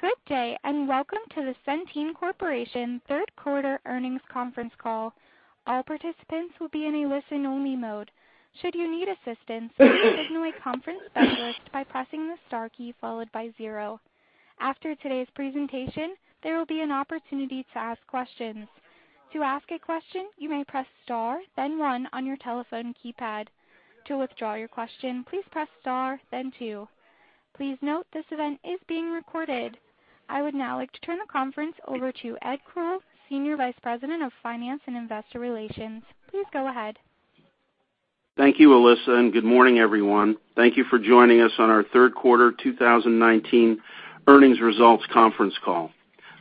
Good day, welcome to the Centene Corporation third quarter earnings conference call. All participants will be in a listen-only mode. Should you need assistance, signal a conference specialist by pressing the star key followed by zero. After today's presentation, there will be an opportunity to ask questions. To ask a question, you may press star, then one on your telephone keypad. To withdraw your question, please press star, then two. Please note this event is being recorded. I would now like to turn the conference over to Ed Kroll, Senior Vice President of Finance and Investor Relations. Please go ahead. Thank you, Alyssa, and good morning, everyone. Thank you for joining us on our third quarter 2019 earnings results conference call.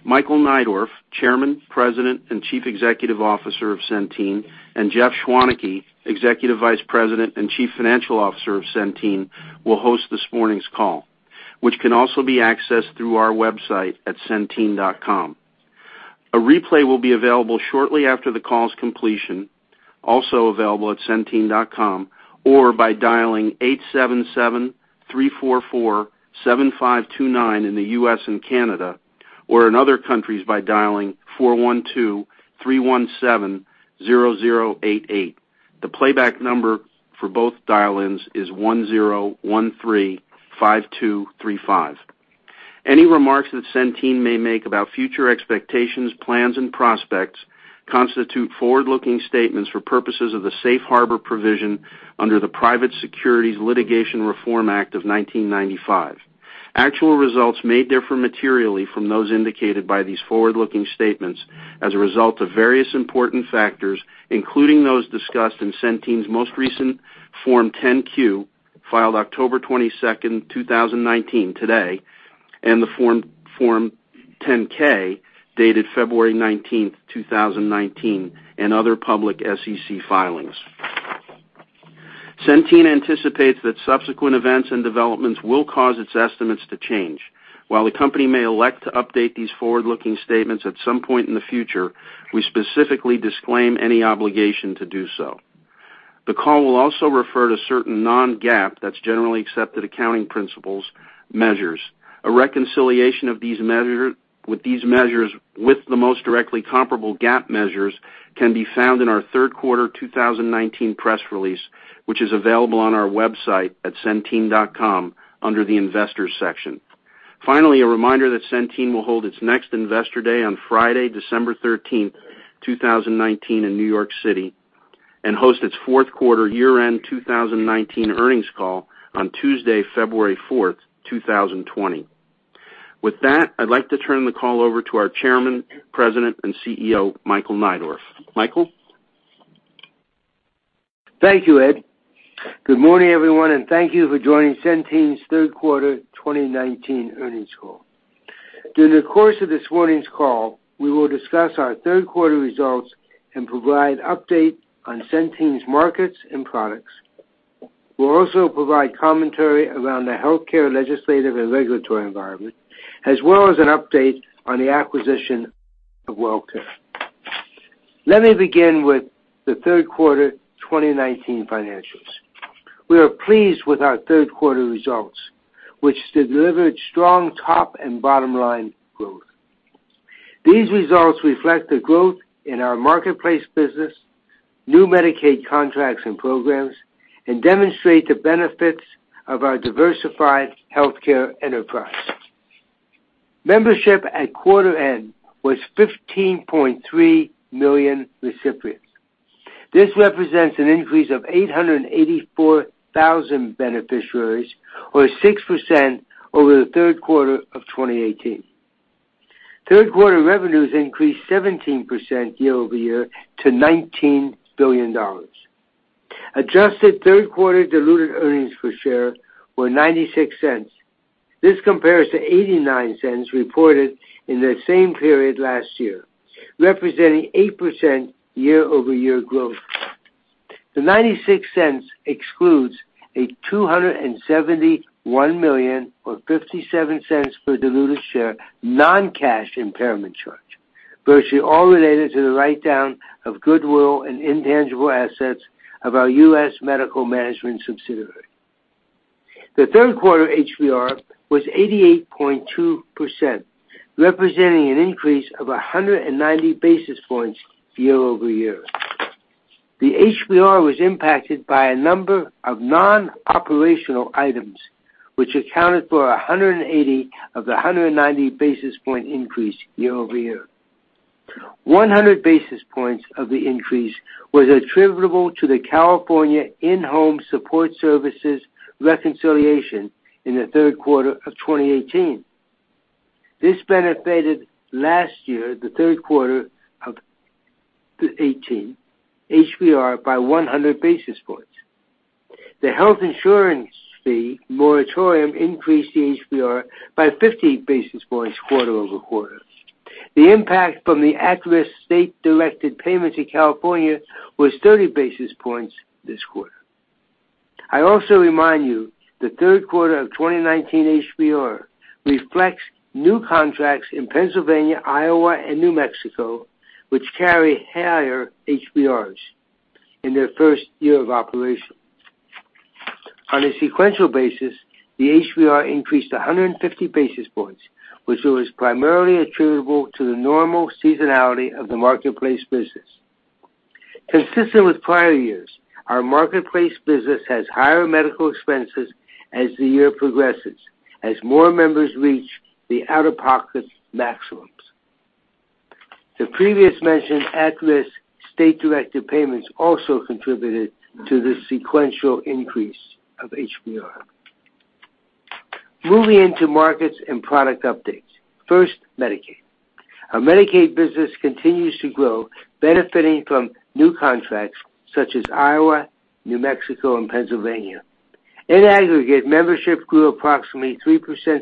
Michael Neidorff, Chairman, President, and Chief Executive Officer of Centene, and Jeffrey Schwaneke, Executive Vice President and Chief Financial Officer of Centene, will host this morning's call, which can also be accessed through our website at centene.com. A replay will be available shortly after the call's completion, also available at centene.com, or by dialing 877-344-7529 in the U.S. and Canada, or in other countries by dialing 412-317-0088. The playback number for both dial-ins is 10135235. Any remarks that Centene may make about future expectations, plans, and prospects constitute forward-looking statements for purposes of the safe harbor provision under the Private Securities Litigation Reform Act of 1995. Actual results may differ materially from those indicated by these forward-looking statements as a result of various important factors, including those discussed in Centene's most recent Form 10-Q, filed October 22nd, 2019, today, and the Form 10-K, dated February 19th, 2019, and other public SEC filings. Centene anticipates that subsequent events and developments will cause its estimates to change. While the company may elect to update these forward-looking statements at some point in the future, we specifically disclaim any obligation to do so. The call will also refer to certain non-GAAP, that's Generally Accepted Accounting Principles, measures. A reconciliation with these measures with the most directly comparable GAAP measures can be found in our third quarter 2019 press release, which is available on our website at centene.com under the Investors section. A reminder that Centene will hold its next Investor Day on Friday, December 13th, 2019, in New York City, and host its fourth quarter year-end 2019 earnings call on Tuesday, February 4th, 2020. With that, I'd like to turn the call over to our Chairman, President, and CEO, Michael Neidorff. Michael? Thank you, Ed. Good morning, everyone, and thank you for joining Centene's third quarter 2019 earnings call. During the course of this morning's call, we will discuss our third quarter results and provide update on Centene's markets and products. We'll also provide commentary around the healthcare legislative and regulatory environment, as well as an update on the acquisition of WellCare. Let me begin with the third quarter 2019 financials. We are pleased with our third quarter results, which delivered strong top and bottom-line growth. These results reflect the growth in our marketplace business, new Medicaid contracts and programs, and demonstrate the benefits of our diversified healthcare enterprise. Membership at quarter end was 15.3 million recipients. This represents an increase of 884,000 beneficiaries, or 6%, over the third quarter of 2018. Third quarter revenues increased 17% year-over-year to $19 billion. Adjusted third quarter diluted earnings per share were $0.96. This compares to $0.89 reported in the same period last year, representing 8% year-over-year growth. The $0.96 excludes a $271 million, or $0.57 per diluted share, non-cash impairment charge, virtually all related to the write-down of goodwill and intangible assets of our U.S. Medical Management subsidiary. The third quarter HBR was 88.2%, representing an increase of 190 basis points year-over-year. The HBR was impacted by a number of non-operational items, which accounted for 180 of the 190 basis point increase year-over-year. 100 basis points of the increase was attributable to the California In-Home Supportive Services reconciliation in the third quarter of 2018. This benefited last year, the third quarter of 2018, HBR by 100 basis points. The health insurer fee moratorium increased the HBR by 50 basis points quarter-over-quarter. The impact from the at-risk state-directed payments in California was 30 basis points this quarter. I also remind you the third quarter of 2019 HBR reflects new contracts in Pennsylvania, Iowa, and New Mexico, which carry higher HBRs in their first year of operation. On a sequential basis, the HBR increased 150 basis points, which was primarily attributable to the normal seasonality of the Marketplace business. Consistent with prior years, our Marketplace business has higher medical expenses as the year progresses, as more members reach the out-of-pocket maximums. The previous mentioned at-risk state directed payments also contributed to the sequential increase of HBR. Moving into markets and product updates. First, Medicaid. Our Medicaid business continues to grow, benefiting from new contracts such as Iowa, New Mexico, and Pennsylvania. In aggregate, membership grew approximately 3%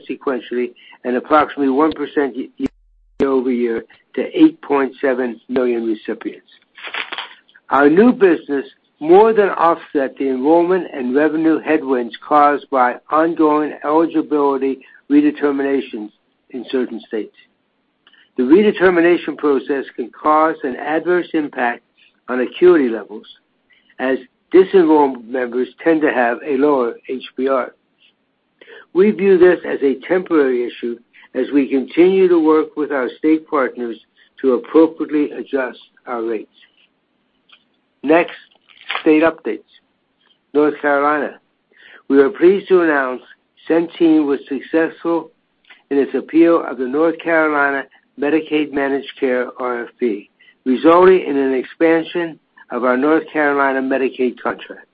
sequentially and approximately 1% year-over-year to 8.7 million recipients. Our new business more than offset the enrollment and revenue headwinds caused by ongoing eligibility redeterminations in certain states. The redetermination process can cause an adverse impact on acuity levels as disenrolled members tend to have a lower HBR. We view this as a temporary issue as we continue to work with our state partners to appropriately adjust our rates. State updates. North Carolina. We are pleased to announce Centene was successful in its appeal of the North Carolina Medicaid managed care RFP, resulting in an expansion of our North Carolina Medicaid contract.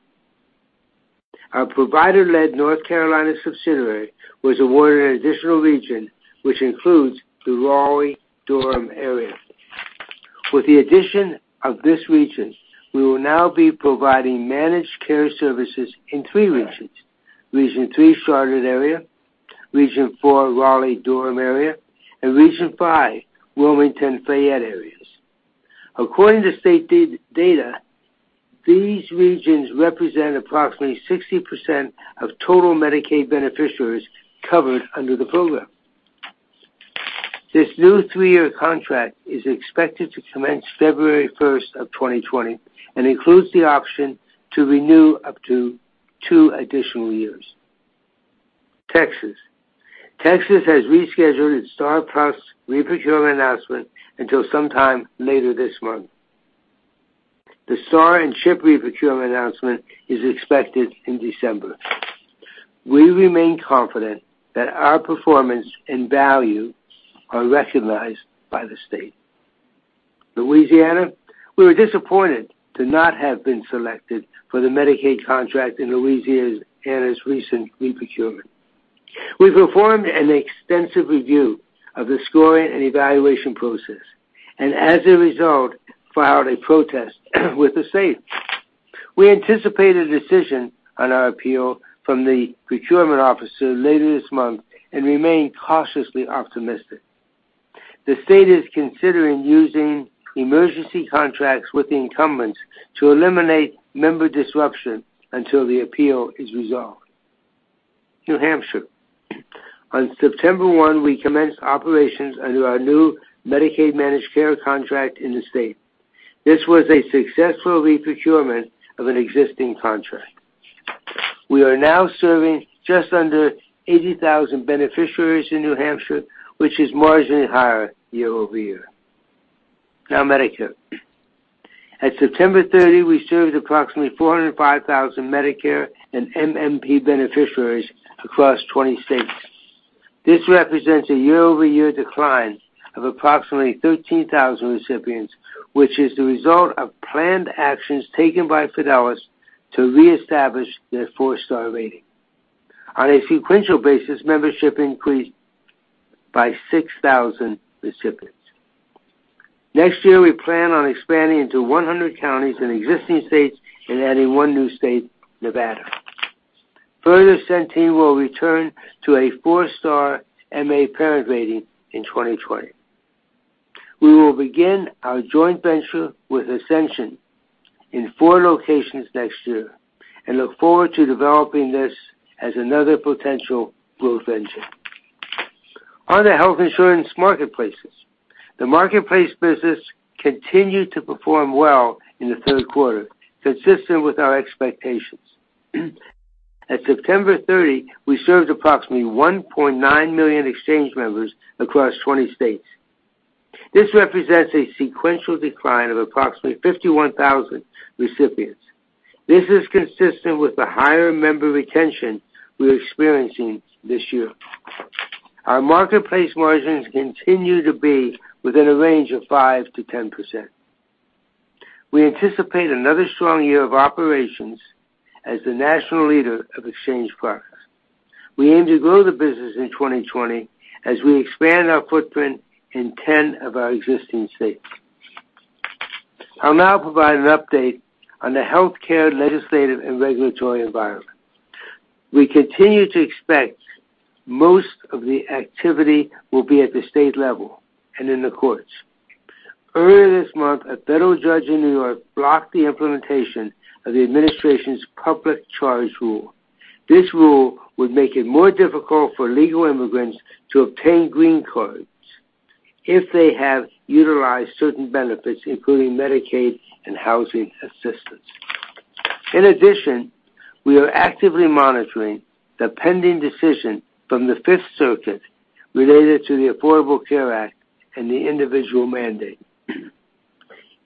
Our provider-led North Carolina subsidiary was awarded an additional region, which includes the Raleigh-Durham area. With the addition of this region, we will now be providing managed care services in three regions. Region three, Charlotte area, region four, Raleigh-Durham area, and region five, Wilmington, Fayetteville areas. According to state data, these regions represent approximately 60% of total Medicaid beneficiaries covered under the program. This new 3-year contract is expected to commence February 1st of 2020 and includes the option to renew up to 2 additional years. Texas. Texas has rescheduled its STAR+PLUS procurement announcement until sometime later this month. The STAR and CHIP procurement announcement is expected in December. We remain confident that our performance and value are recognized by the state. Louisiana. We were disappointed to not have been selected for the Medicaid contract in Louisiana's recent reprocurement. We performed an extensive review of the scoring and evaluation process, and as a result, filed a protest with the state. We anticipate a decision on our appeal from the procurement officer later this month and remain cautiously optimistic. The state is considering using emergency contracts with the incumbents to eliminate member disruption until the appeal is resolved. New Hampshire. On September 1, we commenced operations under our new Medicaid managed care contract in the state. This was a successful reprocurement of an existing contract. We are now serving just under 80,000 beneficiaries in New Hampshire, which is marginally higher year-over-year. Now, Medicare. At September 30, we served approximately 405,000 Medicare and MMP beneficiaries across 20 states. This represents a year-over-year decline of approximately 13,000 recipients, which is the result of planned actions taken by Fidelis to reestablish their four-star rating. On a sequential basis, membership increased by 6,000 recipients. Next year, we plan on expanding into 100 counties in existing states and adding one new state, Nevada. Further, Centene will return to a four-star MA parent rating in 2020. We will begin our joint venture with Ascension in four locations next year and look forward to developing this as another potential growth engine. On to health insurance marketplaces. The marketplace business continued to perform well in the third quarter, consistent with our expectations. At September 30, we served approximately 1.9 million exchange members across 20 states. This represents a sequential decline of approximately 51,000 recipients. This is consistent with the higher member retention we're experiencing this year. Our marketplace margins continue to be within a range of 5%-10%. We anticipate another strong year of operations as the national leader of exchange products. We aim to grow the business in 2020 as we expand our footprint in 10 of our existing states. I'll now provide an update on the healthcare legislative and regulatory environment. We continue to expect most of the activity will be at the state level and in the courts. Earlier this month, a federal judge in New York blocked the implementation of the administration's public charge rule. This rule would make it more difficult for legal immigrants to obtain green cards if they have utilized certain benefits, including Medicaid and housing assistance. We are actively monitoring the pending decision from the Fifth Circuit related to the Affordable Care Act and the individual mandate.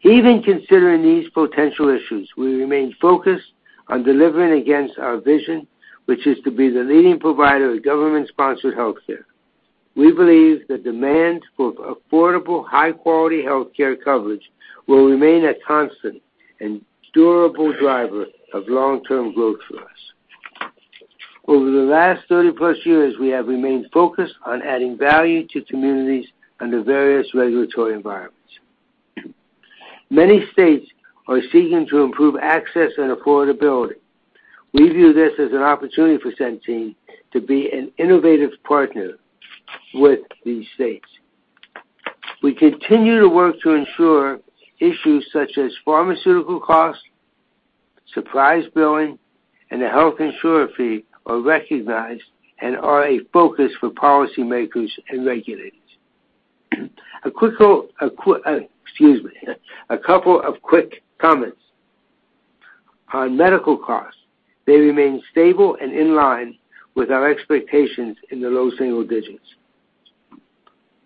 Even considering these potential issues, we remain focused on delivering against our vision, which is to be the leading provider of government-sponsored healthcare. We believe the demand for affordable, high-quality healthcare coverage will remain a constant and durable driver of long-term growth for us. Over the last 30-plus years, we have remained focused on adding value to communities under various regulatory environments. Many states are seeking to improve access and affordability. We view this as an opportunity for Centene to be an innovative partner with these states. We continue to work to ensure issues such as pharmaceutical costs, surprise billing, and the health insurer fee are recognized and are a focus for policymakers and regulators. Excuse me. A couple of quick comments. On medical costs, they remain stable and in line with our expectations in the low single digits.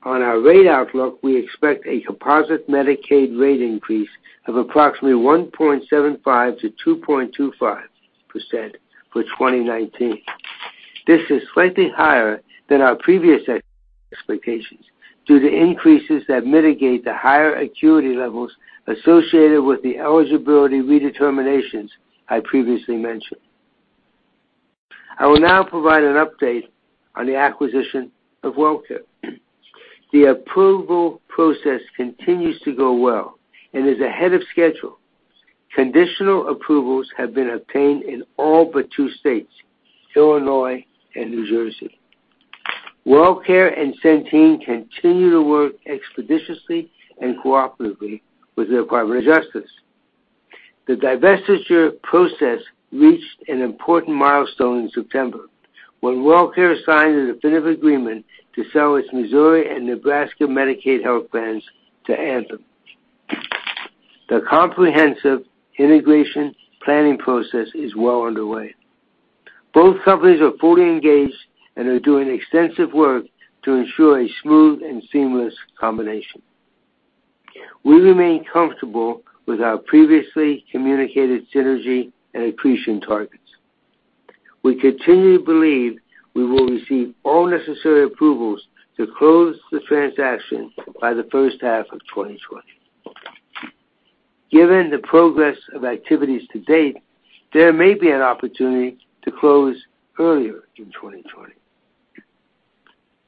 On our rate outlook, we expect a composite Medicaid rate increase of approximately 1.75%-2.25% for 2019. This is slightly higher than our previous expectations due to increases that mitigate the higher acuity levels associated with the eligibility redeterminations I previously mentioned. I will now provide an update on the acquisition of WellCare. The approval process continues to go well and is ahead of schedule. Conditional approvals have been obtained in all but two states, Illinois and New Jersey. WellCare and Centene continue to work expeditiously and cooperatively with the Department of Justice. The divestiture process reached an important milestone in September when WellCare signed a definitive agreement to sell its Missouri and Nebraska Medicaid health plans to Anthem. The comprehensive integration planning process is well underway. Both companies are fully engaged and are doing extensive work to ensure a smooth and seamless combination. We remain comfortable with our previously communicated synergy and accretion targets. We continue to believe we will receive all necessary approvals to close the transaction by the first half of 2020. Given the progress of activities to date, there may be an opportunity to close earlier in 2020.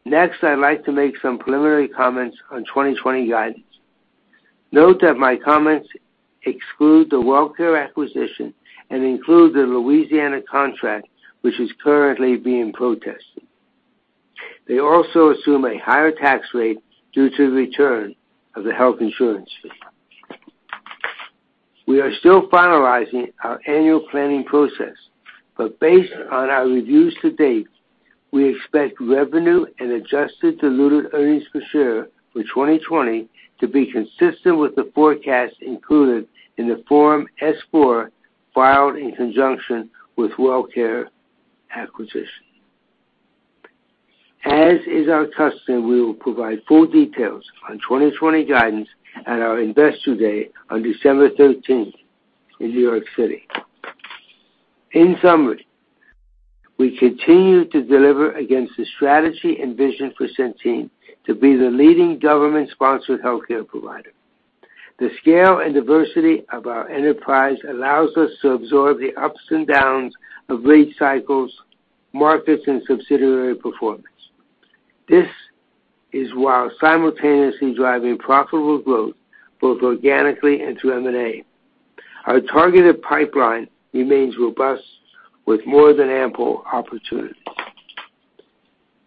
Next, I'd like to make some preliminary comments on 2020 guidance. Note that my comments exclude the WellCare acquisition and include the Louisiana contract, which is currently being protested. They also assume a higher tax rate due to the return of the health insurer fee. We are still finalizing our annual planning process, but based on our reviews to date, we expect revenue and adjusted diluted earnings per share for 2020 to be consistent with the forecast included in the Form S-4 filed in conjunction with WellCare acquisition. As is our custom, we will provide full details on 2020 guidance at our Investor Day on December 13th in New York City. In summary, we continue to deliver against the strategy and vision for Centene to be the leading government-sponsored healthcare provider. The scale and diversity of our enterprise allows us to absorb the ups and downs of rate cycles, markets, and subsidiary performance. This is while simultaneously driving profitable growth both organically and through M&A. Our targeted pipeline remains robust with more than ample opportunity.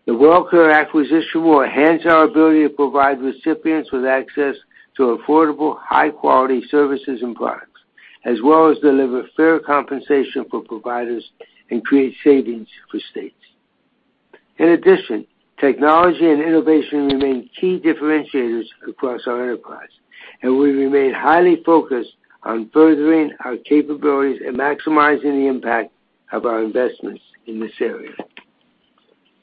The WellCare acquisition will enhance our ability to provide recipients with access to affordable, high-quality services and products, as well as deliver fair compensation for providers and create savings for states. In addition, technology and innovation remain key differentiators across our enterprise, and we remain highly focused on furthering our capabilities and maximizing the impact of our investments in this area.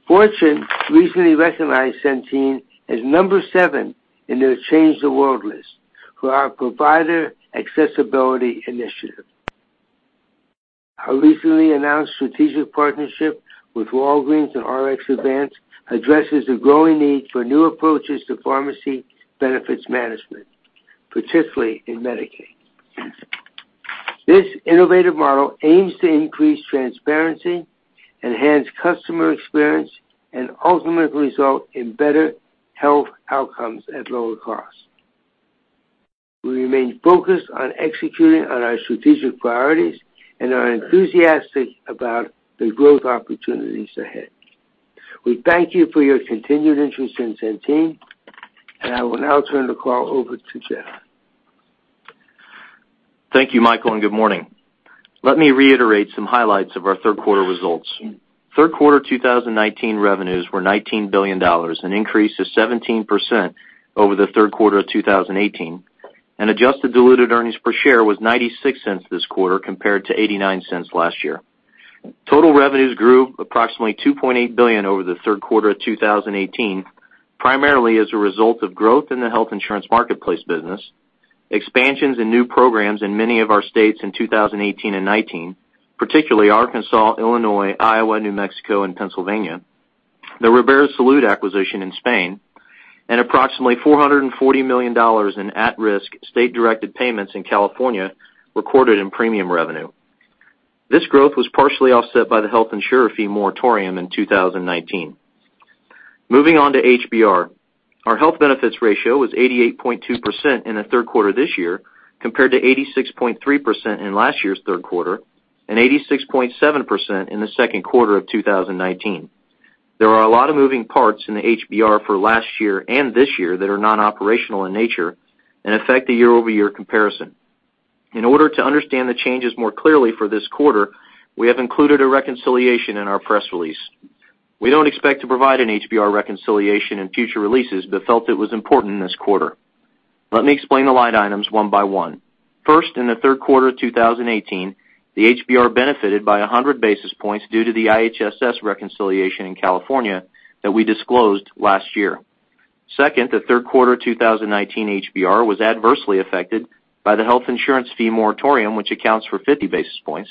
Fortune recently recognized Centene as number seven in their Change the World list for our provider accessibility initiative. Our recently announced strategic partnership with Walgreens and RxAdvance addresses the growing need for new approaches to pharmacy benefits management, particularly in Medicaid. This innovative model aims to increase transparency, enhance customer experience, and ultimately result in better health outcomes at lower costs. We remain focused on executing on our strategic priorities and are enthusiastic about the growth opportunities ahead. We thank you for your continued interest in Centene, and I will now turn the call over to Jeff. Thank you, Michael, and good morning. Let me reiterate some highlights of our third quarter results. Third quarter 2019 revenues were $19 billion, an increase of 17% over the third quarter of 2018, and adjusted diluted earnings per share was $0.96 this quarter, compared to $0.89 last year. Total revenues grew approximately $2.8 billion over the third quarter of 2018, primarily as a result of growth in the health insurance marketplace business, expansions in new programs in many of our states in 2018 and 2019, particularly Arkansas, Illinois, Iowa, New Mexico, and Pennsylvania, the Ribera Salud acquisition in Spain, and approximately $440 million in at-risk state-directed payments in California recorded in premium revenue. This growth was partially offset by the health insurer fee moratorium in 2019. Moving on to HBR. Our Health Benefits Ratio was 88.2% in the third quarter of this year, compared to 86.3% in last year's third quarter, and 86.7% in the second quarter of 2019. There are a lot of moving parts in the HBR for last year and this year that are non-operational in nature and affect the year-over-year comparison. In order to understand the changes more clearly for this quarter, we have included a reconciliation in our press release. We don't expect to provide an HBR reconciliation in future releases, but felt it was important this quarter. Let me explain the line items one by one. First, in the third quarter of 2018, the HBR benefited by 100 basis points due to the IHSS reconciliation in California that we disclosed last year. Second, the third quarter 2019 HBR was adversely affected by the health insurer fee moratorium, which accounts for 50 basis points.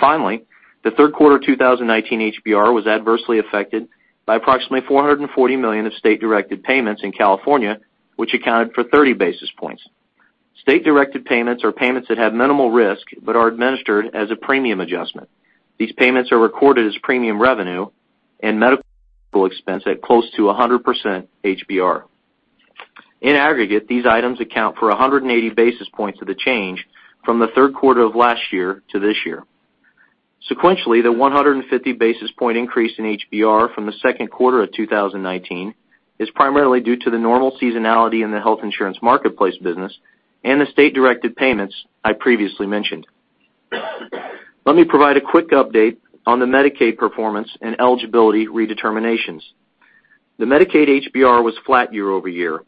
Finally, the third quarter 2019 HBR was adversely affected by approximately $440 million of state-directed payments in California, which accounted for 30 basis points. State-directed payments are payments that have minimal risk but are administered as a premium adjustment. These payments are recorded as premium revenue and medical expense at close to 100% HBR. In aggregate, these items account for 180 basis points of the change from the third quarter of last year to this year. Sequentially, the 150 basis point increase in HBR from the second quarter of 2019 is primarily due to the normal seasonality in the health insurance marketplace business and the state-directed payments I previously mentioned. Let me provide a quick update on the Medicaid performance and eligibility redeterminations. The Medicaid HBR was flat year-over-year.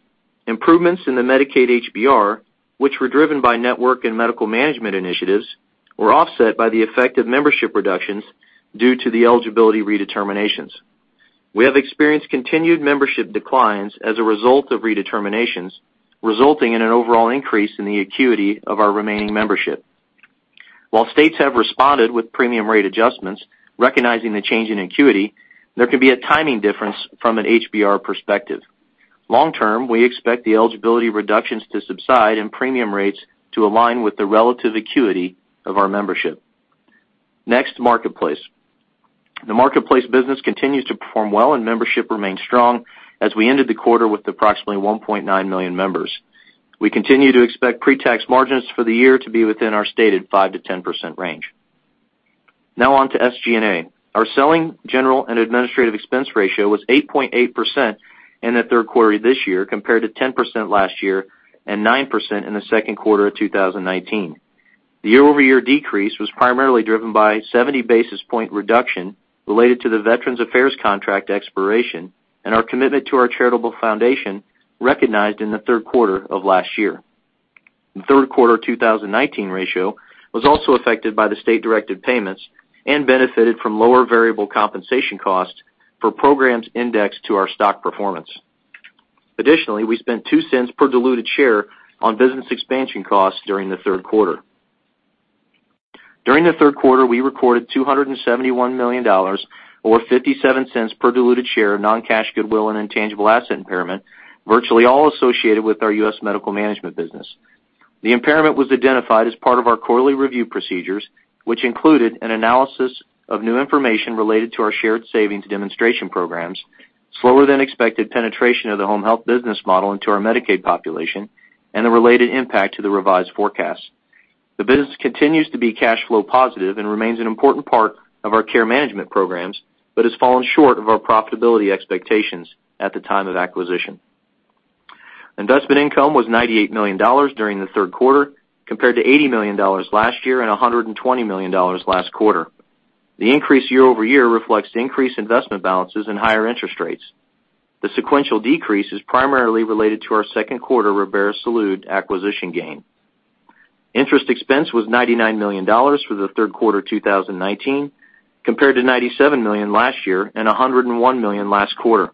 Improvements in the Medicaid HBR, which were driven by network and medical management initiatives, were offset by the effect of membership reductions due to the eligibility redeterminations. We have experienced continued membership declines as a result of redeterminations, resulting in an overall increase in the acuity of our remaining membership. While states have responded with premium rate adjustments, recognizing the change in acuity, there can be a timing difference from an HBR perspective. Long term, we expect the eligibility reductions to subside and premium rates to align with the relative acuity of our membership. Marketplace. The Marketplace business continues to perform well and membership remains strong as we ended the quarter with approximately 1.9 million members. We continue to expect pre-tax margins for the year to be within our stated 5%-10% range. On to SG&A. Our selling, general, and administrative expense ratio was 8.8% in the third quarter this year, compared to 10% last year and 9% in the second quarter of 2019. The year-over-year decrease was primarily driven by a 70 basis point reduction related to the Veterans Affairs contract expiration and our commitment to our charitable foundation recognized in the third quarter of last year. The third quarter 2019 ratio was also affected by the state-directed payments and benefited from lower variable compensation costs for programs indexed to our stock performance. Additionally, we spent $0.02 per diluted share on business expansion costs during the third quarter. During the third quarter, we recorded $271 million, or $0.57 per diluted share of non-cash goodwill and intangible asset impairment, virtually all associated with our U.S. Medical Management business. The impairment was identified as part of our quarterly review procedures, which included an analysis of new information related to our shared savings demonstration programs, slower-than-expected penetration of the home health business model into our Medicaid population, and the related impact to the revised forecast. The business continues to be cash flow positive and remains an important part of our care management programs but has fallen short of our profitability expectations at the time of acquisition. Investment income was $98 million during the third quarter, compared to $80 million last year and $120 million last quarter. The increase year-over-year reflects increased investment balances and higher interest rates. The sequential decrease is primarily related to our second quarter Ribera Salud acquisition gain. Interest expense was $99 million for the third quarter 2019, compared to $97 million last year and $101 million last quarter.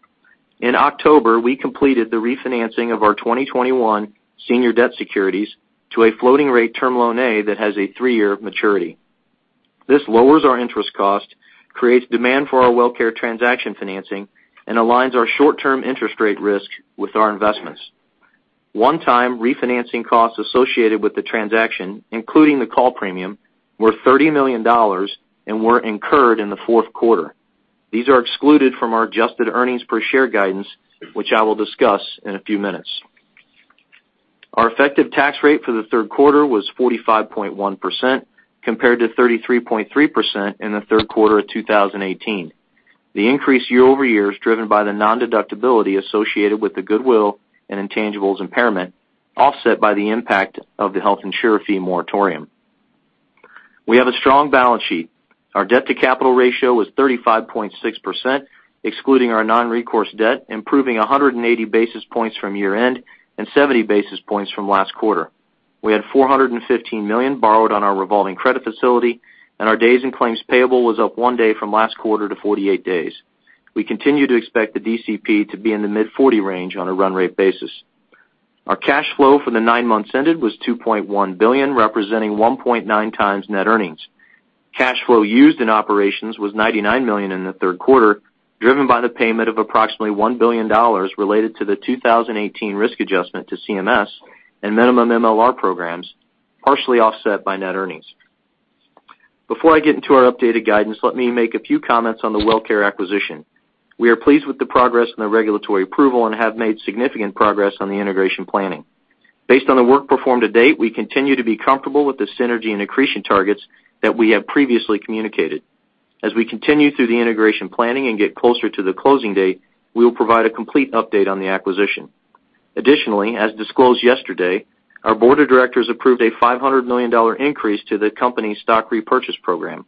In October, we completed the refinancing of our 2021 senior debt securities to a floating-rate term loan A that has a three-year maturity. This lowers our interest cost, creates demand for our WellCare transaction financing, and aligns our short-term interest rate risk with our investments. One-time refinancing costs associated with the transaction, including the call premium, were $30 million and were incurred in the fourth quarter. These are excluded from our adjusted earnings per share guidance, which I will discuss in a few minutes. Our effective tax rate for the third quarter was 45.1%, compared to 33.3% in the third quarter of 2018. The increase year-over-year is driven by the nondeductibility associated with the goodwill and intangibles impairment, offset by the impact of the health insurer fee moratorium. We have a strong balance sheet. Our debt-to-capital ratio was 35.6%, excluding our non-recourse debt, improving 180 basis points from year-end and 70 basis points from last quarter. We had $415 million borrowed on our revolving credit facility. Our days in claims payable was up one day from last quarter to 48 days. We continue to expect the DCP to be in the mid-40 range on a run-rate basis. Our cash flow for the nine months ended was $2.1 billion, representing 1.9 times net earnings. Cash flow used in operations was $99 million in the third quarter, driven by the payment of approximately $1 billion related to the 2018 risk adjustment to CMS and minimum MLR programs, partially offset by net earnings. Before I get into our updated guidance, let me make a few comments on the WellCare acquisition. We are pleased with the progress on the regulatory approval and have made significant progress on the integration planning. Based on the work performed to date, we continue to be comfortable with the synergy and accretion targets that we have previously communicated. As we continue through the integration planning and get closer to the closing date, we will provide a complete update on the acquisition. As disclosed yesterday, our board of directors approved a $500 million increase to the company stock repurchase program.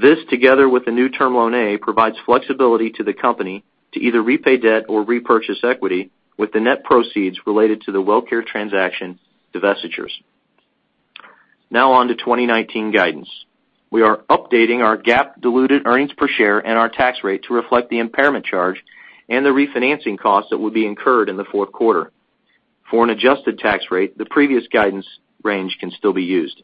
This, together with the new term loan A, provides flexibility to the company to either repay debt or repurchase equity with the net proceeds related to the WellCare transaction divestitures. On to 2019 guidance. We are updating our GAAP diluted earnings per share and our tax rate to reflect the impairment charge and the refinancing costs that would be incurred in the fourth quarter. For an adjusted tax rate, the previous guidance range can still be used.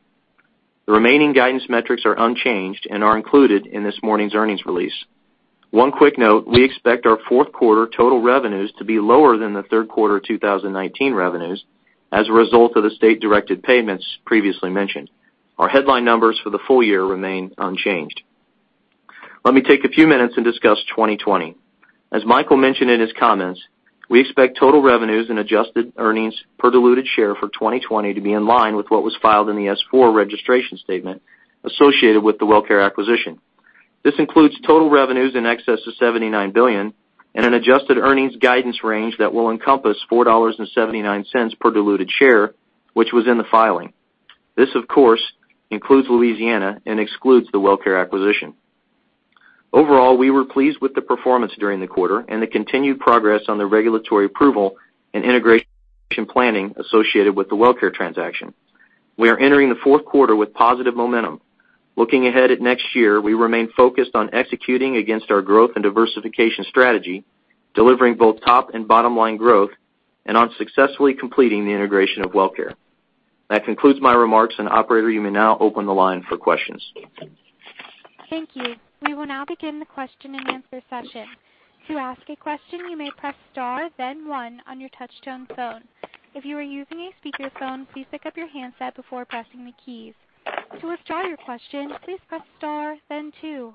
The remaining guidance metrics are unchanged and are included in this morning's earnings release. One quick note, we expect our fourth quarter total revenues to be lower than the third quarter 2019 revenues as a result of the state-directed payments previously mentioned. Our headline numbers for the full year remain unchanged. Let me take a few minutes and discuss 2020. As Michael mentioned in his comments, we expect total revenues and adjusted earnings per diluted share for 2020 to be in line with what was filed in the S4 registration statement associated with the WellCare acquisition. This includes total revenues in excess of $79 billion and an adjusted earnings guidance range that will encompass $4.79 per diluted share, which was in the filing. This, of course, includes Louisiana and excludes the WellCare acquisition. Overall, we were pleased with the performance during the quarter and the continued progress on the regulatory approval and integration planning associated with the WellCare transaction. We are entering the fourth quarter with positive momentum. Looking ahead at next year, we remain focused on executing against our growth and diversification strategy, delivering both top and bottom-line growth, and on successfully completing the integration of WellCare. That concludes my remarks, and operator, you may now open the line for questions. Thank you. We will now begin the question-and-answer session. To ask a question, you may press star then one on your touchtone phone. If you are using a speakerphone, please pick up your handset before pressing the keys. To withdraw your question, please press star then two.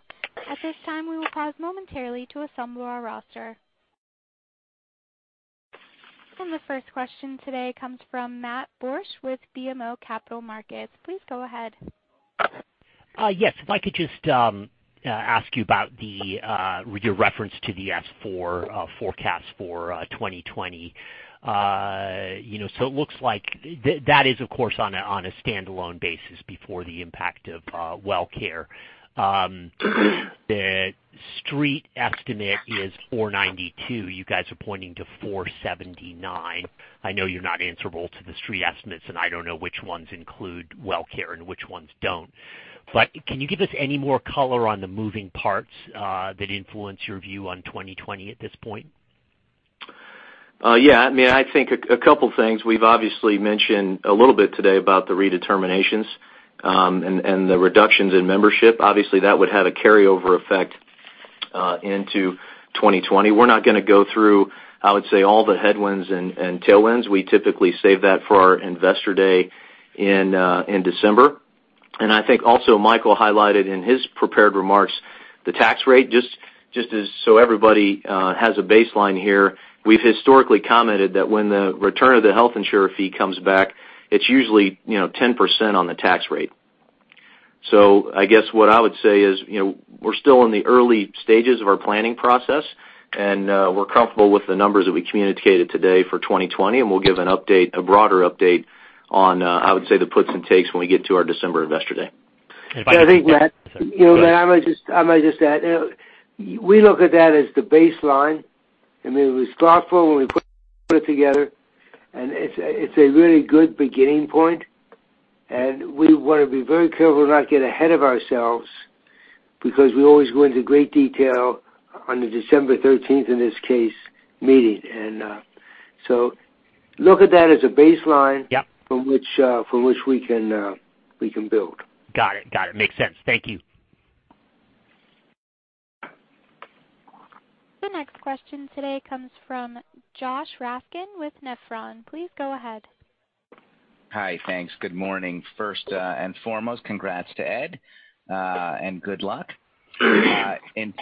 At this time, we will pause momentarily to assemble our roster. The first question today comes from Matt Borsch with BMO Capital Markets. Please go ahead. Yes. If I could just ask you about your reference to the S4 forecast for 2020. It looks like that is, of course, on a standalone basis before the impact of WellCare. The Street estimate is $4.92. You guys are pointing to $4.79. I know you're not answerable to the Street estimates, and I don't know which ones include WellCare and which ones don't. Can you give us any more color on the moving parts that influence your view on 2020 at this point? I think a couple things. We've obviously mentioned a little bit today about the redeterminations and the reductions in membership. Obviously, that would have a carryover effect into 2020. We're not going to go through, I would say, all the headwinds and tailwinds. We typically save that for our Investor Day in December. I think also Michael highlighted in his prepared remarks the tax rate. Just as so everybody has a baseline here, we've historically commented that when the return of the health insurer fee comes back, it's usually 10% on the tax rate. I guess what I would say is we're still in the early stages of our planning process, and we're comfortable with the numbers that we communicated today for 2020, and we'll give a broader update on, I would say, the puts and takes when we get to our December Investor Day. If I could just- Yeah, I think, Matt, I might just add, we look at that as the baseline, and we were thoughtful when we put it together, and it's a really good beginning point, and we want to be very careful to not get ahead of ourselves because we always go into great detail on the December 13th, in this case, meeting. Look at that as a baseline. Yep from which we can build. Got it. Makes sense. Thank you. The next question today comes from Josh Raskin with Nephron. Please go ahead. Hi, thanks. Good morning. First and foremost, congrats to Ed, and good luck. In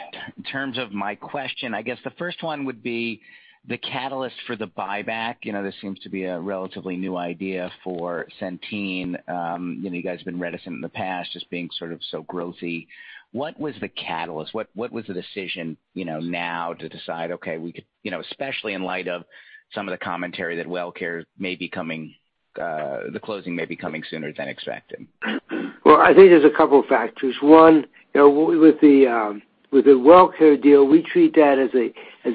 terms of my question, I guess the first one would be the catalyst for the buyback. This seems to be a relatively new idea for Centene. You guys have been reticent in the past, just being sort of so growthy. What was the catalyst? What was the decision, now to decide, okay, we could, especially in light of some of the commentary that WellCare, the closing may be coming sooner than expected? Well, I think there's a couple of factors. One, with the WellCare deal, we treat that as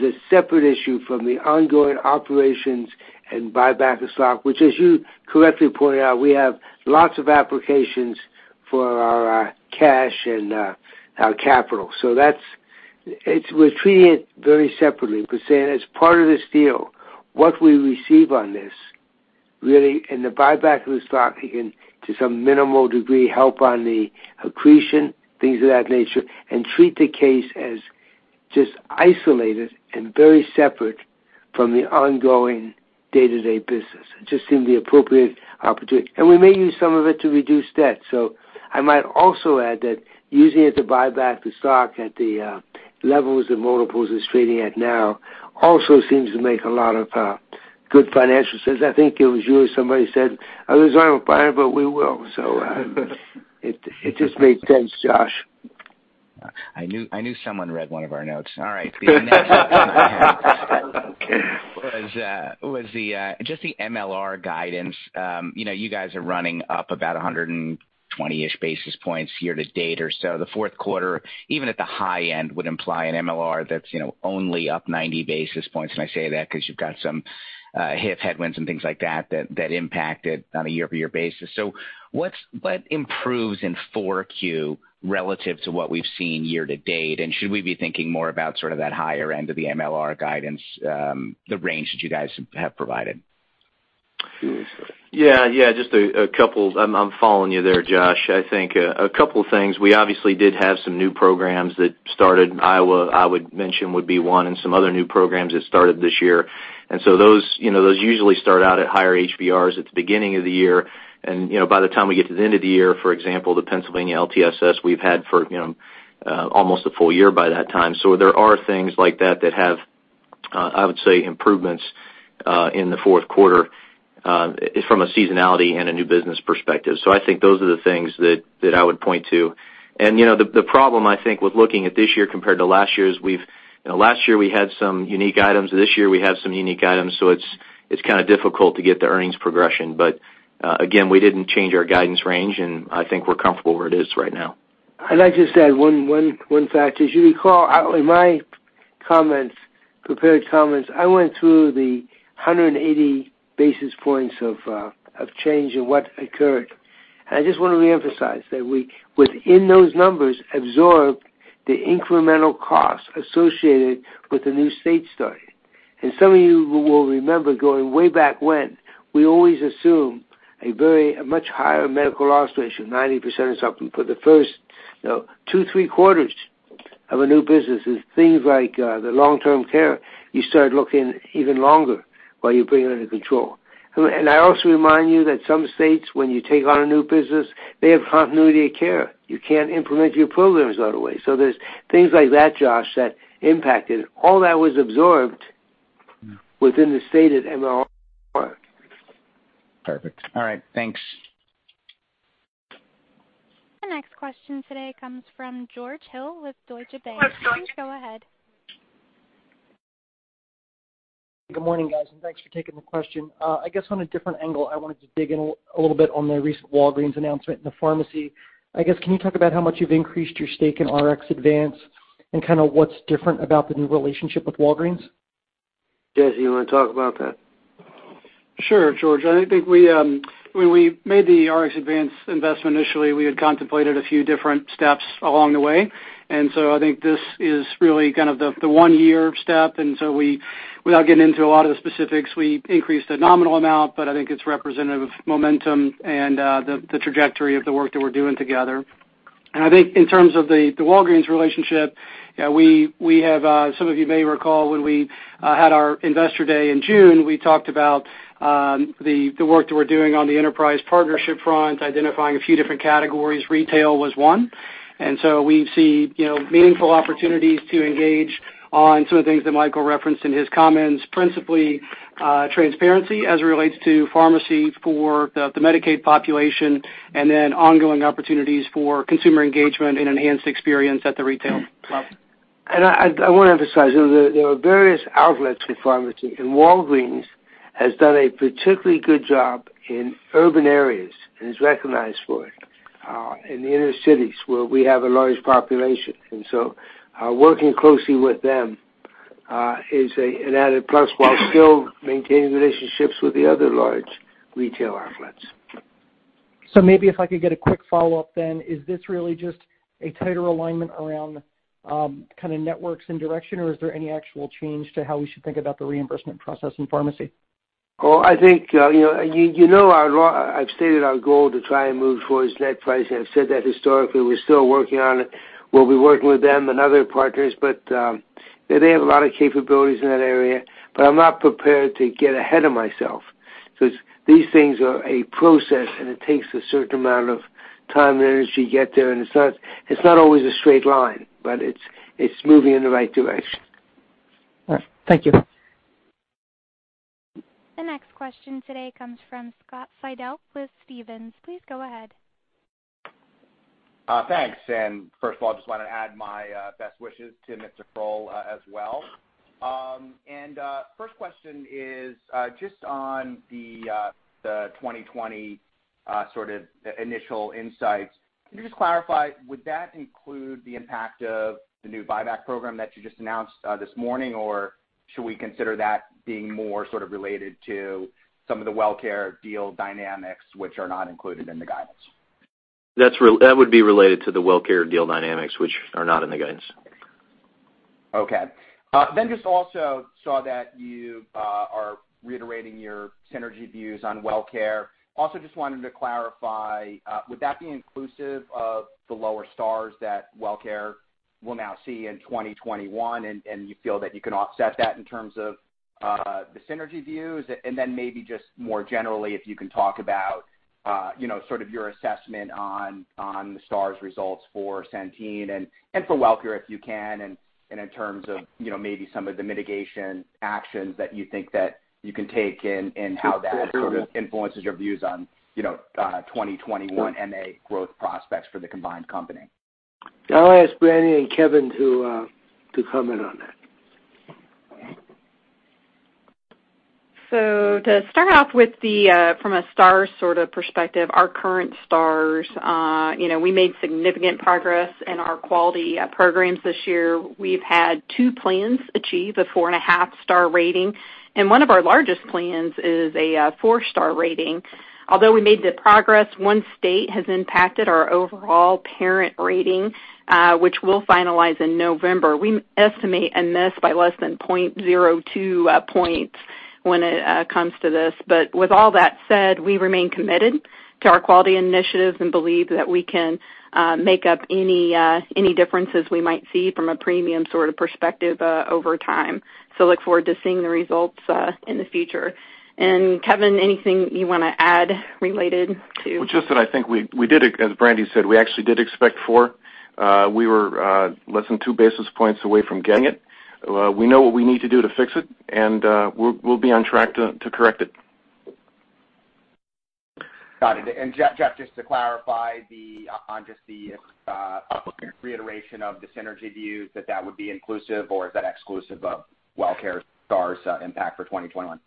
a separate issue from the ongoing operations and buyback of stock, which as you correctly pointed out, we have lots of applications for our cash and our capital. We're treating it very separately, but saying as part of this deal, what we receive on this, really in the buyback of the stock, again, to some minimal degree, help on the accretion, things of that nature, and treat the case as just isolated and very separate from the ongoing day-to-day business. It just seemed the appropriate opportunity. We may use some of it to reduce debt. I might also add that using it to buy back the stock at the levels and multiples it's trading at now also seems to make a lot of good financial sense. I think it was you or somebody said, "Otherwise we won't buy it, but we will." It just made sense, Josh. I knew someone read one of our notes. All right. The next was just the MLR guidance. You guys are running up about 120-ish basis points year to date or so. The fourth quarter, even at the high end, would imply an MLR that's only up 90 basis points, and I say that because you've got some HIF headwinds and things like that impacted on a year-over-year basis. What improves in 4Q relative to what we've seen year to date? Should we be thinking more about sort of that higher end of the MLR guidance, the range that you guys have provided? Yeah. I'm following you there, Josh. I think, a couple of things. We obviously did have some new programs that started. Iowa, I would mention would be one, and some other new programs that started this year. Those usually start out at higher HBRs at the beginning of the year, and by the time we get to the end of the year, for example, the Pennsylvania LTSS we've had for almost a full year by that time. There are things like that that have, I would say, improvements, in the fourth quarter, from a seasonality and a new business perspective. I think those are the things that I would point to. I think with looking at this year compared to last year is, last year we had some unique items, this year we have some unique items, so it's kind of difficult to get the earnings progression. Again, we didn't change our guidance range, and I think we're comfortable where it is right now. I'd just add one factor. As you recall, in my prepared comments, I went through the 180 basis points of change and what occurred. I just want to reemphasize that we, within those numbers, absorbed the incremental cost associated with the new state study. Some of you will remember going way back when, we always assume a much higher medical loss ratio, 90% or something, for the first two, three quarters of a new business. With things like the long-term care, you start looking even longer while you bring it under control. I also remind you that some states, when you take on a new business, they have continuity of care. You can't implement your programs right away. There's things like that, Josh, that impacted. All that was absorbed within the stated MLR. Perfect. All right. Thanks. The next question today comes from George Hill with Deutsche Bank. What's up, George? Please go ahead. Good morning, guys. Thanks for taking the question. I guess on a different angle, I wanted to dig in a little bit on the recent Walgreens announcement in the pharmacy. I guess, can you talk about how much you've increased your stake in RxAdvance and kind of what's different about the new relationship with Walgreens? Jesse, you want to talk about that? Sure, George. I think when we made the RxAdvance investment initially, we had contemplated a few different steps along the way. So I think this is really kind of the one-year step, and so without getting into a lot of the specifics, we increased the nominal amount, but I think it's representative of momentum and the trajectory of the work that we're doing together. I think in terms of the Walgreens relationship, some of you may recall when we had our investor day in June, we talked about the work that we're doing on the enterprise partnership front, identifying a few different categories. Retail was one. We see meaningful opportunities to engage on some of the things that Michael referenced in his comments, principally, transparency as it relates to pharmacy for the Medicaid population, and then ongoing opportunities for consumer engagement and enhanced experience at the retail level. I want to emphasize, there are various outlets for pharmacy, and Walgreens has done a particularly good job in urban areas and is recognized for it, in the inner cities where we have a large population. Working closely with them is an added plus while still maintaining relationships with the other large retail outlets. Maybe if I could get a quick follow-up then. Is this really just a tighter alignment around kind of networks and direction, or is there any actual change to how we should think about the reimbursement process in pharmacy? Well, I've stated our goal to try and move towards net pricing. I've said that historically. We're still working on it. We'll be working with them and other partners. They have a lot of capabilities in that area, but I'm not prepared to get ahead of myself. These things are a process, and it takes a certain amount of time and energy to get there, and it's not always a straight line, but it's moving in the right direction. All right. Thank you. The next question today comes from Scott Fidel with Stephens. Please go ahead. Thanks. First of all, I just wanted to add my best wishes to Mr. Kroll as well. First question is just on the 2020 initial insights. Can you just clarify, would that include the impact of the new buyback program that you just announced this morning? Or should we consider that being more sort of related to some of the WellCare deal dynamics, which are not included in the guidance? That would be related to the WellCare deal dynamics, which are not in the guidance. Just also saw that you are reiterating your synergy views on WellCare. Just wanted to clarify, would that be inclusive of the lower STARs that WellCare will now see in 2021, and you feel that you can offset that in terms of the synergy views? Maybe just more generally, if you can talk about sort of your assessment on the STARs results for Centene and for WellCare if you can, and in terms of maybe some of the mitigation actions that you think that you can take and how that sort of influences your views on 2021 MA growth prospects for the combined company. I'll ask Brandy and Kevin to comment on that. To start off with from a STAR sort of perspective, our current STARs, we made significant progress in our quality programs this year. We've had two plans achieve a 4.5-STAR rating, and one of our largest plans is a 4-STAR rating. Although we made the progress, one state has impacted our overall parent rating, which we'll finalize in November. We estimate a miss by less than 0.02 points when it comes to this. With all that said, we remain committed to our quality initiatives and believe that we can make up any differences we might see from a premium sort of perspective over time. Look forward to seeing the results in the future. Kevin, anything you want to add related to- Well, just that I think we did, as Brandy said, we actually did expect four. We were less than two basis points away from getting it. We know what we need to do to fix it, and we'll be on track to correct it. Got it. Jeff, just to clarify on just the reiteration of the synergy views, that would be inclusive, or is that exclusive of WellCare STARs impact for 2021?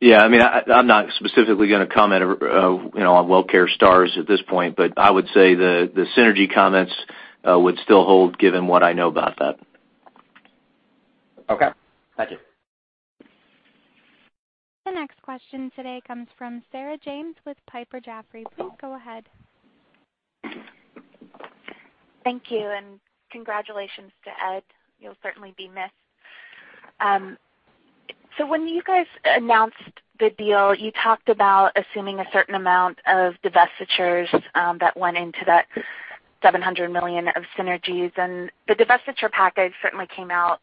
Yeah. I'm not specifically going to comment on WellCare Stars at this point, but I would say the synergy comments would still hold given what I know about that. Okay. Thank you. The next question today comes from Sarah James with Piper Jaffray. Please go ahead. Thank you. Congratulations to Ed. You'll certainly be missed. When you guys announced the deal, you talked about assuming a certain amount of divestitures that went into that $700 million of synergies. The divestiture package certainly came out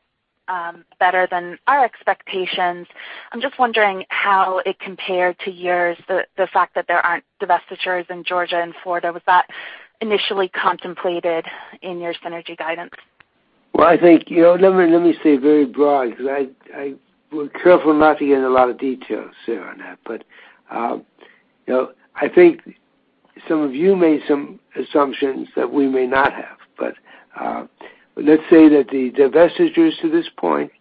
better than our expectations. I'm just wondering how it compared to yours, the fact that there aren't divestitures in Georgia and Florida, was that initially contemplated in your synergy guidance? Well, I think, let me say very broad, because I were careful not to get in a lot of details, Sarah, on that. I think some of you made some assumptions that we may not have. Let's say that the divestitures to this point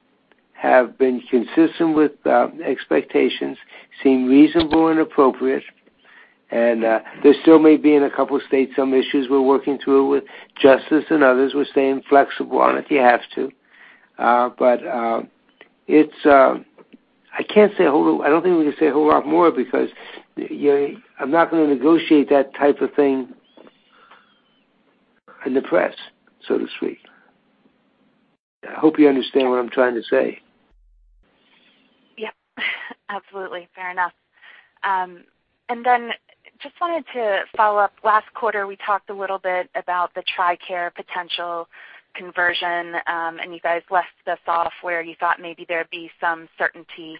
have been consistent with expectations, seem reasonable and appropriate, and there still may be in a couple states some issues we're working through with Justice and others. We're staying flexible on it, you have to. I don't think we can say a whole lot more because I'm not going to negotiate that type of thing in the press, so to speak. I hope you understand what I'm trying to say. Yep. Absolutely. Fair enough. Just wanted to follow up. Last quarter, we talked a little bit about the TRICARE potential conversion, and you guys left us off where you thought maybe there'd be some certainty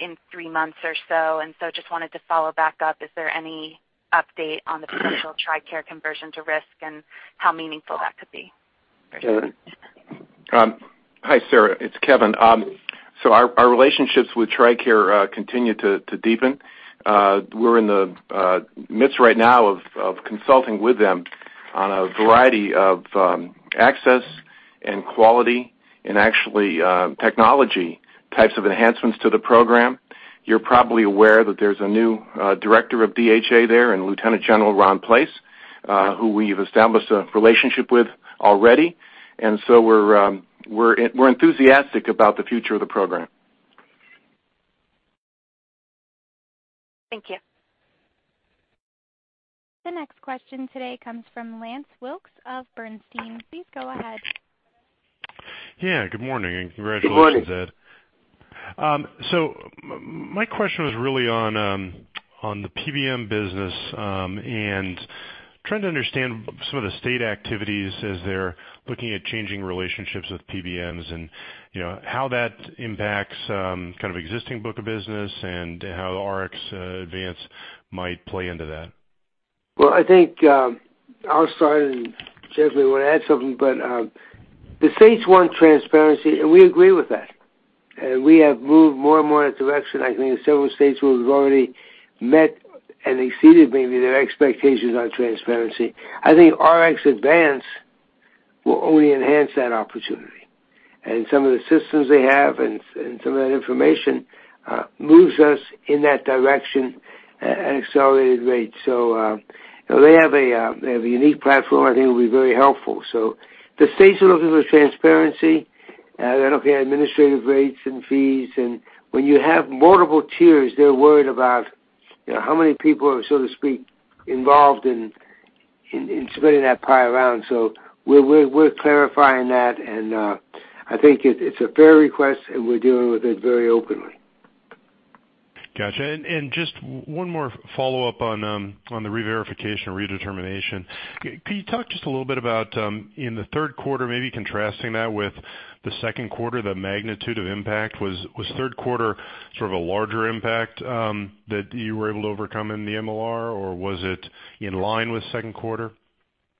in three months or so. Just wanted to follow back up. Is there any update on the potential TRICARE conversion to risk and how meaningful that could be? Kevin? Hi, Sarah. It's Kevin. Our relationships with TRICARE continue to deepen. We're in the midst right now of consulting with them on a variety of access and quality and actually technology types of enhancements to the program. You're probably aware that there's a new director of Defense Health Agency there, Lieutenant General Ron Place, who we've established a relationship with already. We're enthusiastic about the future of the program. Thank you. The next question today comes from Lance Wilkes of Bernstein. Please go ahead. Yeah, good morning, and congratulations, Ed. My question was really on the PBM business, and trying to understand some of the state activities as they're looking at changing relationships with PBMs and how that impacts existing book of business and how RxAdvance might play into that. I think I'll start, and Jeff may want to add something, but the states want transparency, and we agree with that. We have moved more and more in that direction. I think in several states where we've already met and exceeded maybe their expectations on transparency. I think RxAdvance will only enhance that opportunity. Some of the systems they have and some of that information moves us in that direction at an accelerated rate. They have a unique platform I think will be very helpful. The states are looking for transparency. They're looking at administrative rates and fees, and when you have multiple tiers, they're worried about how many people are, so to speak, involved in spinning that pie around. We're clarifying that, and I think it's a fair request, and we're dealing with it very openly. Got you. Just one more follow-up on the reverification or redetermination. Could you talk just a little bit about, in the third quarter, maybe contrasting that with the second quarter, the magnitude of impact. Was third quarter sort of a larger impact that you were able to overcome in the MLR, or was it in line with second quarter?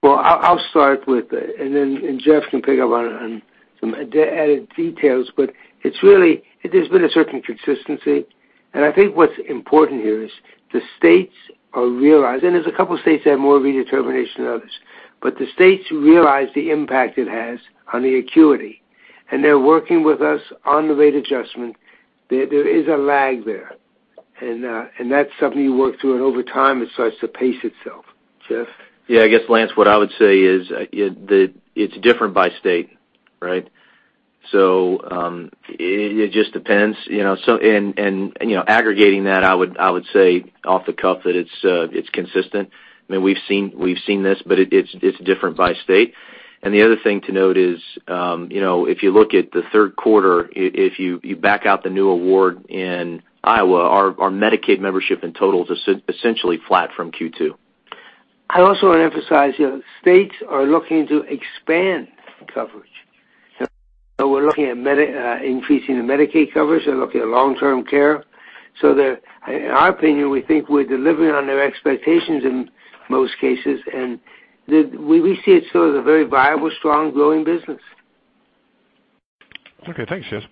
Well, I'll start with it, and then Jeff can pick up on some added details. There's been a certain consistency, and I think what's important here is the states are realizing, there's a couple states that have more redetermination than others. The states realize the impact it has on the acuity, and they're working with us on the rate adjustment. There is a lag there, and that's something you work through, and over time, it starts to pace itself. Jeff? Yeah, I guess, Lance, what I would say is that it's different by state, right? It just depends. Aggregating that, I would say off the cuff that it's consistent. We've seen this, but it's different by state. The other thing to note is, if you look at the third quarter, if you back out the new award in Iowa, our Medicaid membership in total is essentially flat from Q2. I also want to emphasize, states are looking to expand coverage. We're looking at increasing the Medicaid coverage. They're looking at long-term care. In our opinion, we think we're delivering on their expectations in most cases, and we see it still as a very viable, strong, growing business. Okay. Thanks, Jeff.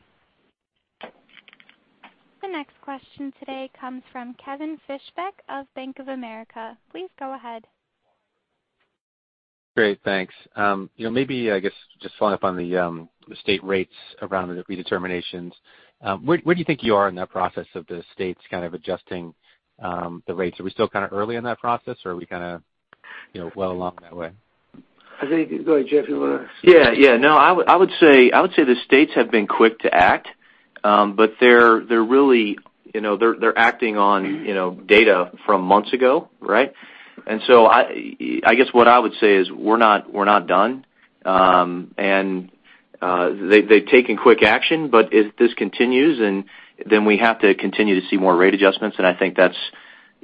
The next question today comes from Kevin Fischbeck of Bank of America. Please go ahead. Great. Thanks. Maybe, I guess, just following up on the state rates around the redeterminations. Where do you think you are in that process of the states kind of adjusting the rates? Are we still kind of early in that process, or are we kind of well along that way? I think, Go ahead, Jeff. Yeah. I would say the states have been quick to act. They're acting on data from months ago, right? I guess what I would say is we're not done. They've taken quick action, but if this continues, then we have to continue to see more rate adjustments, and I think that's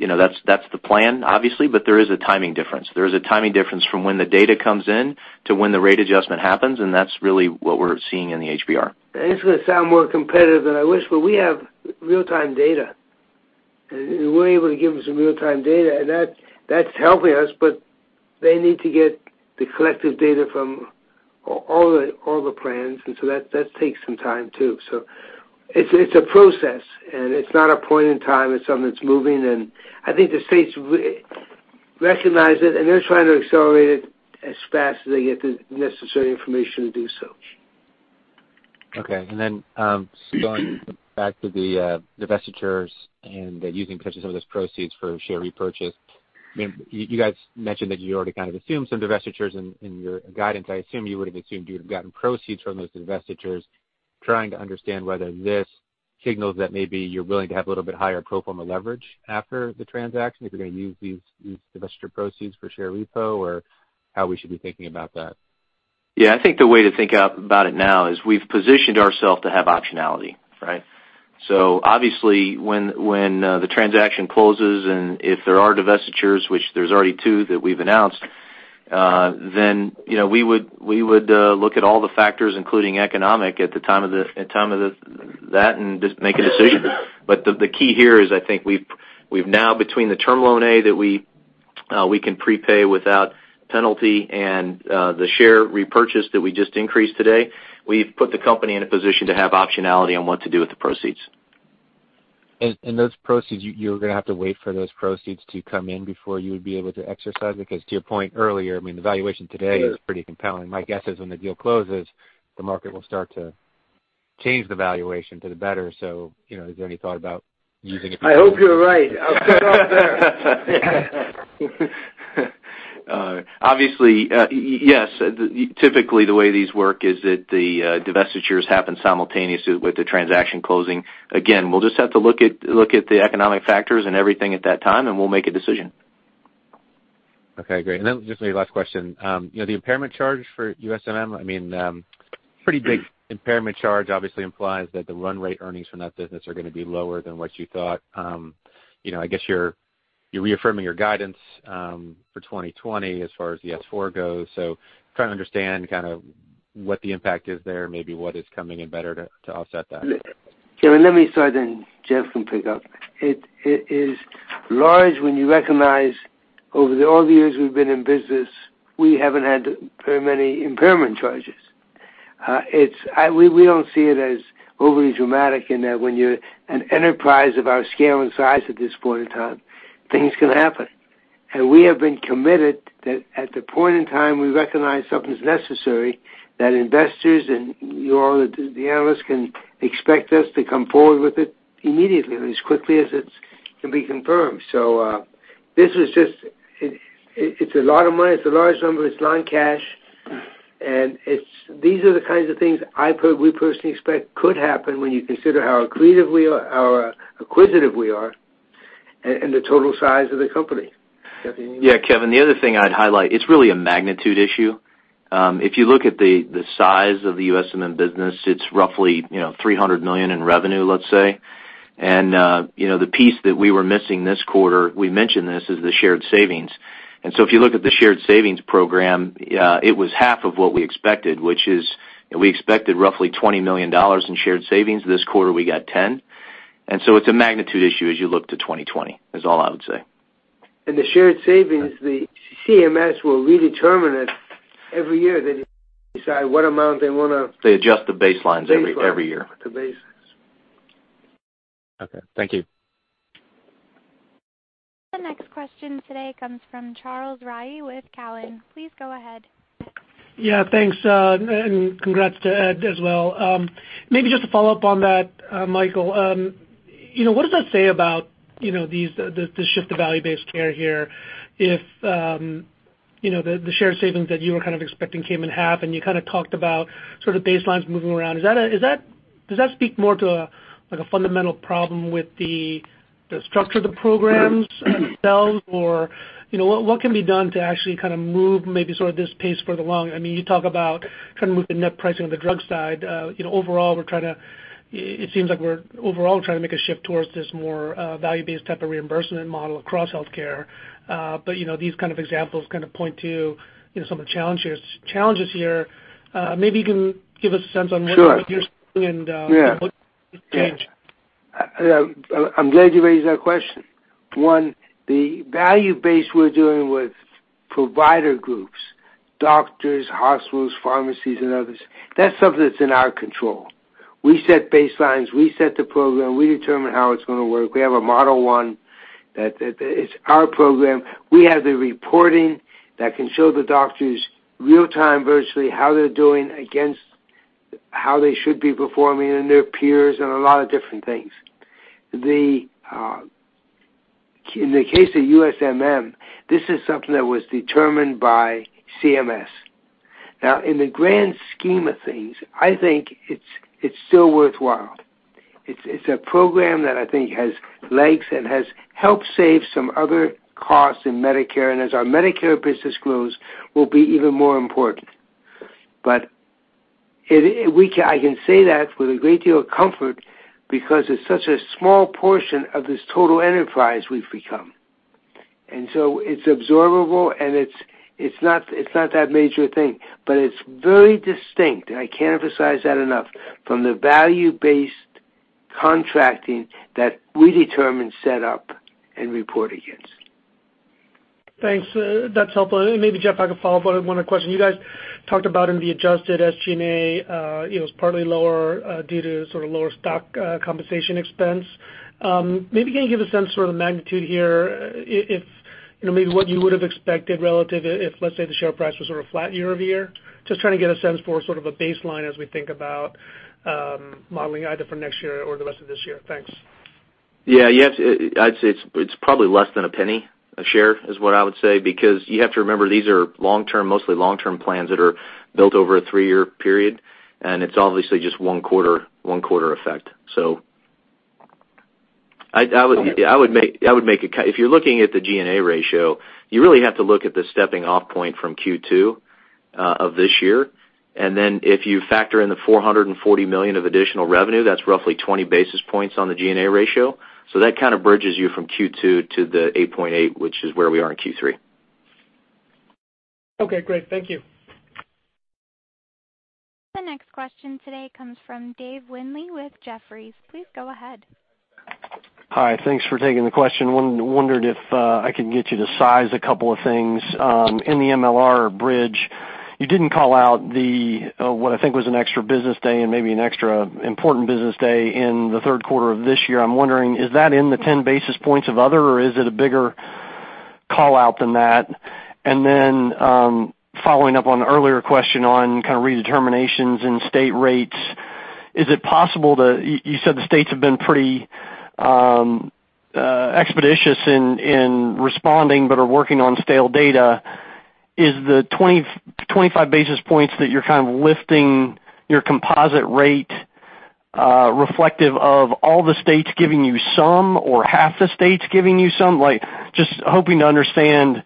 the plan, obviously. There is a timing difference. There is a timing difference from when the data comes in to when the rate adjustment happens, and that's really what we're seeing in the HBR. It's going to sound more competitive than I wish, but we have real-time data. We're able to give them some real-time data, and that's helping us, but they need to get the collective data from all the plans, that takes some time, too. It's a process, and it's not a point in time. It's something that's moving, and I think the states recognize it, and they're trying to accelerate it as fast as they get the necessary information to do so. Okay. Going back to the divestitures and using potentially some of those proceeds for share repurchase. You guys mentioned that you already kind of assumed some divestitures in your guidance. I assume you would've gotten proceeds from those divestitures. Trying to understand whether this signals that maybe you're willing to have a little bit higher pro forma leverage after the transaction, if you're going to use these divestiture proceeds for share repo, or how we should be thinking about that. Yeah. I think the way to think about it now is we've positioned ourself to have optionality, right? Obviously, when the transaction closes, and if there are divestitures, which there's already two that we've announced, we would look at all the factors, including economic, at the time of that, and just make a decision. The key here is I think we've now, between the term loan A that we can prepay without penalty and the share repurchase that we just increased today, we've put the company in a position to have optionality on what to do with the proceeds. Those proceeds, you're going to have to wait for those proceeds to come in before you would be able to exercise it? To your point earlier, the valuation today is pretty compelling. My guess is when the deal closes, the market will start to change the valuation to the better. Is there any thought about using it? I hope you're right. I'll start off there. Obviously, yes. Typically, the way these work is that the divestitures happen simultaneously with the transaction closing. We'll just have to look at the economic factors and everything at that time, and we'll make a decision. Okay, great. Just maybe last question? The impairment charge for USMM, I mean, pretty big impairment charge obviously implies that the run rate earnings from that business are going to be lower than what you thought. I guess you're reaffirming your guidance, for 2020 as far as the S4 goes. Trying to understand kind of what the impact is there, maybe what is coming in better to offset that. Kevin, let me start then Jeff can pick up. It is large when you recognize over all the years we've been in business, we haven't had very many impairment charges. We don't see it as overly dramatic in that when you're an enterprise of our scale and size at this point in time, things can happen. We have been committed that at the point in time, we recognize something's necessary, that investors and you all, the analysts, can expect us to come forward with it immediately or as quickly as it can be confirmed. It's a lot of money, it's a large number, it's non-cash. These are the kinds of things we personally expect could happen when you consider how acquisitive we are and the total size of the company. Jeff, anything you want to- Kevin, the other thing I'd highlight, it's really a magnitude issue. If you look at the size of the USMM business, it's roughly $300 million in revenue, let's say. The piece that we were missing this quarter, we mentioned this, is the shared savings. If you look at the shared savings program, it was half of what we expected, which is we expected roughly $20 million in shared savings. This quarter, we got $10 million. It's a magnitude issue as you look to 2020, is all I would say. The shared savings, the CMS will redetermine it every year. They decide what amount they want to- They adjust the baselines every year. baseline. The baselines. Okay. Thank you. The next question today comes from Charles Rhyee with Cowen. Please go ahead. Yeah, thanks, and congrats to Ed as well. Maybe just to follow up on that, Michael, what does that say about the shift to value-based care here if the shared savings that you were kind of expecting came in half, and you kind of talked about sort of baselines moving around. Does that speak more to a fundamental problem with the structure of the programs themselves? What can be done to actually kind of move maybe sort of this pace? I mean, you talk about trying to move the net pricing on the drug side. It seems like we're overall trying to make a shift towards this more value-based type of reimbursement model across healthcare. These kind of examples kind of point to some of the challenges here. Maybe you can give us a sense on what- Sure you're seeing. Yeah What change? I'm glad you raised that question. One, the value base we're doing with provider groups, doctors, hospitals, pharmacies, and others, that's something that's in our control. We set baselines, we set the program, we determine how it's going to work. We have a model 1 that it's our program. We have the reporting that can show the doctors real time virtually how they're doing against how they should be performing and their peers and a lot of different things. In the case of USMM, this is something that was determined by CMS. In the grand scheme of things, I think it's still worthwhile. It's a program that I think has legs and has helped save some other costs in Medicare, and as our Medicare business grows, will be even more important. I can say that with a great deal of comfort because it's such a small portion of this total enterprise we've become. So it's absorbable, and it's not that major a thing. It's very distinct, and I can't emphasize that enough, from the value-based contracting that we determine, set up, and report against. Thanks. That's helpful. Maybe Jeff, I can follow up on one other question. You guys talked about in the adjusted SG&A, it was partly lower due to sort of lower stock compensation expense. Maybe can you give a sense for the magnitude here, if maybe what you would've expected relative if, let's say, the share price was sort of flat year-over-year? Just trying to get a sense for sort of a baseline as we think about modeling either for next year or the rest of this year. Thanks. I'd say it's probably less than $0.01 a share, is what I would say, because you have to remember, these are mostly long-term plans that are built over a three-year period, and it's obviously just one quarter effect. If you're looking at the G&A ratio, you really have to look at the stepping-off point from Q2 of this year. If you factor in the $440 million of additional revenue, that's roughly 20 basis points on the G&A ratio. That kind of bridges you from Q2 to the 8.8, which is where we are in Q3. Okay, great. Thank you. The next question today comes from Dave Windley with Jefferies. Please go ahead. Hi. Thanks for taking the question. Wondered if I can get you to size a couple of things. In the MLR bridge, you didn't call out what I think was an extra business day and maybe an extra important business day in the third quarter of this year. I'm wondering, is that in the 10 basis points of other, or is it a bigger call-out than that? Following up on an earlier question on kind of redeterminations and state rates, you said the states have been pretty expeditious in responding, but are working on stale data. Is the 20-25 basis points that you're kind of lifting your composite rate, reflective of all the states giving you some, or half the states giving you some? Just hoping to understand,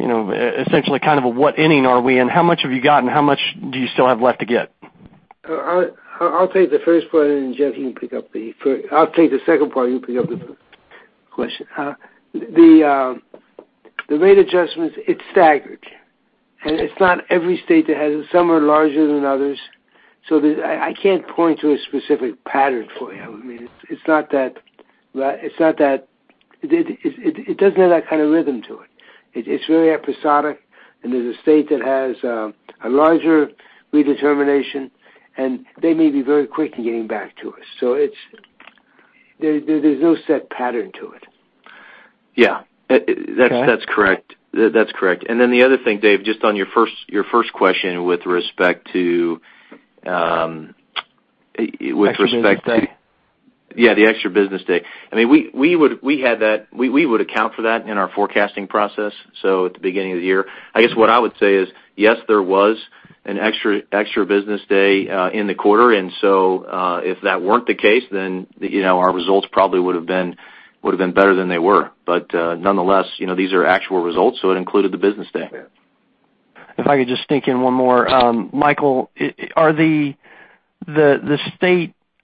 essentially kind of what inning are we in? How much have you gotten? How much do you still have left to get? I'll take the first part, I'll take the second part, you pick up the first question. The rate adjustments, it's staggered. It's not every state that has it. Some are larger than others. I can't point to a specific pattern for you. It doesn't have that kind of rhythm to it. It's really episodic, and there's a state that has a larger redetermination, and they may be very quick in getting back to us. There's no set pattern to it. Yeah. Okay? That's correct. The other thing, Dave, just on your first question with respect to. Extra business day. Yeah, the extra business day. We would account for that in our forecasting process, so at the beginning of the year. I guess what I would say is, yes, there was an extra business day in the quarter, and so, if that weren't the case, then our results probably would've been better than they were. Nonetheless, these are actual results, so it included the business day. If I could just sneak in one more. Michael, are the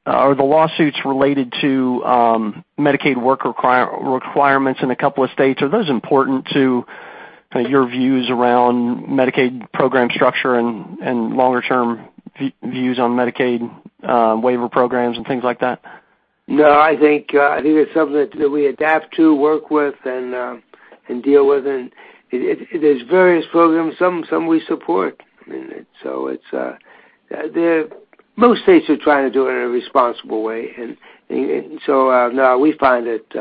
lawsuits related to Medicaid work requirements in a couple of states, are those important to your views around Medicaid program structure and longer-term views on Medicaid waiver programs and things like that? No, I think it's something that we adapt to, work with, and deal with. There's various programs, some we support. Most states are trying to do it in a responsible way. No, we find it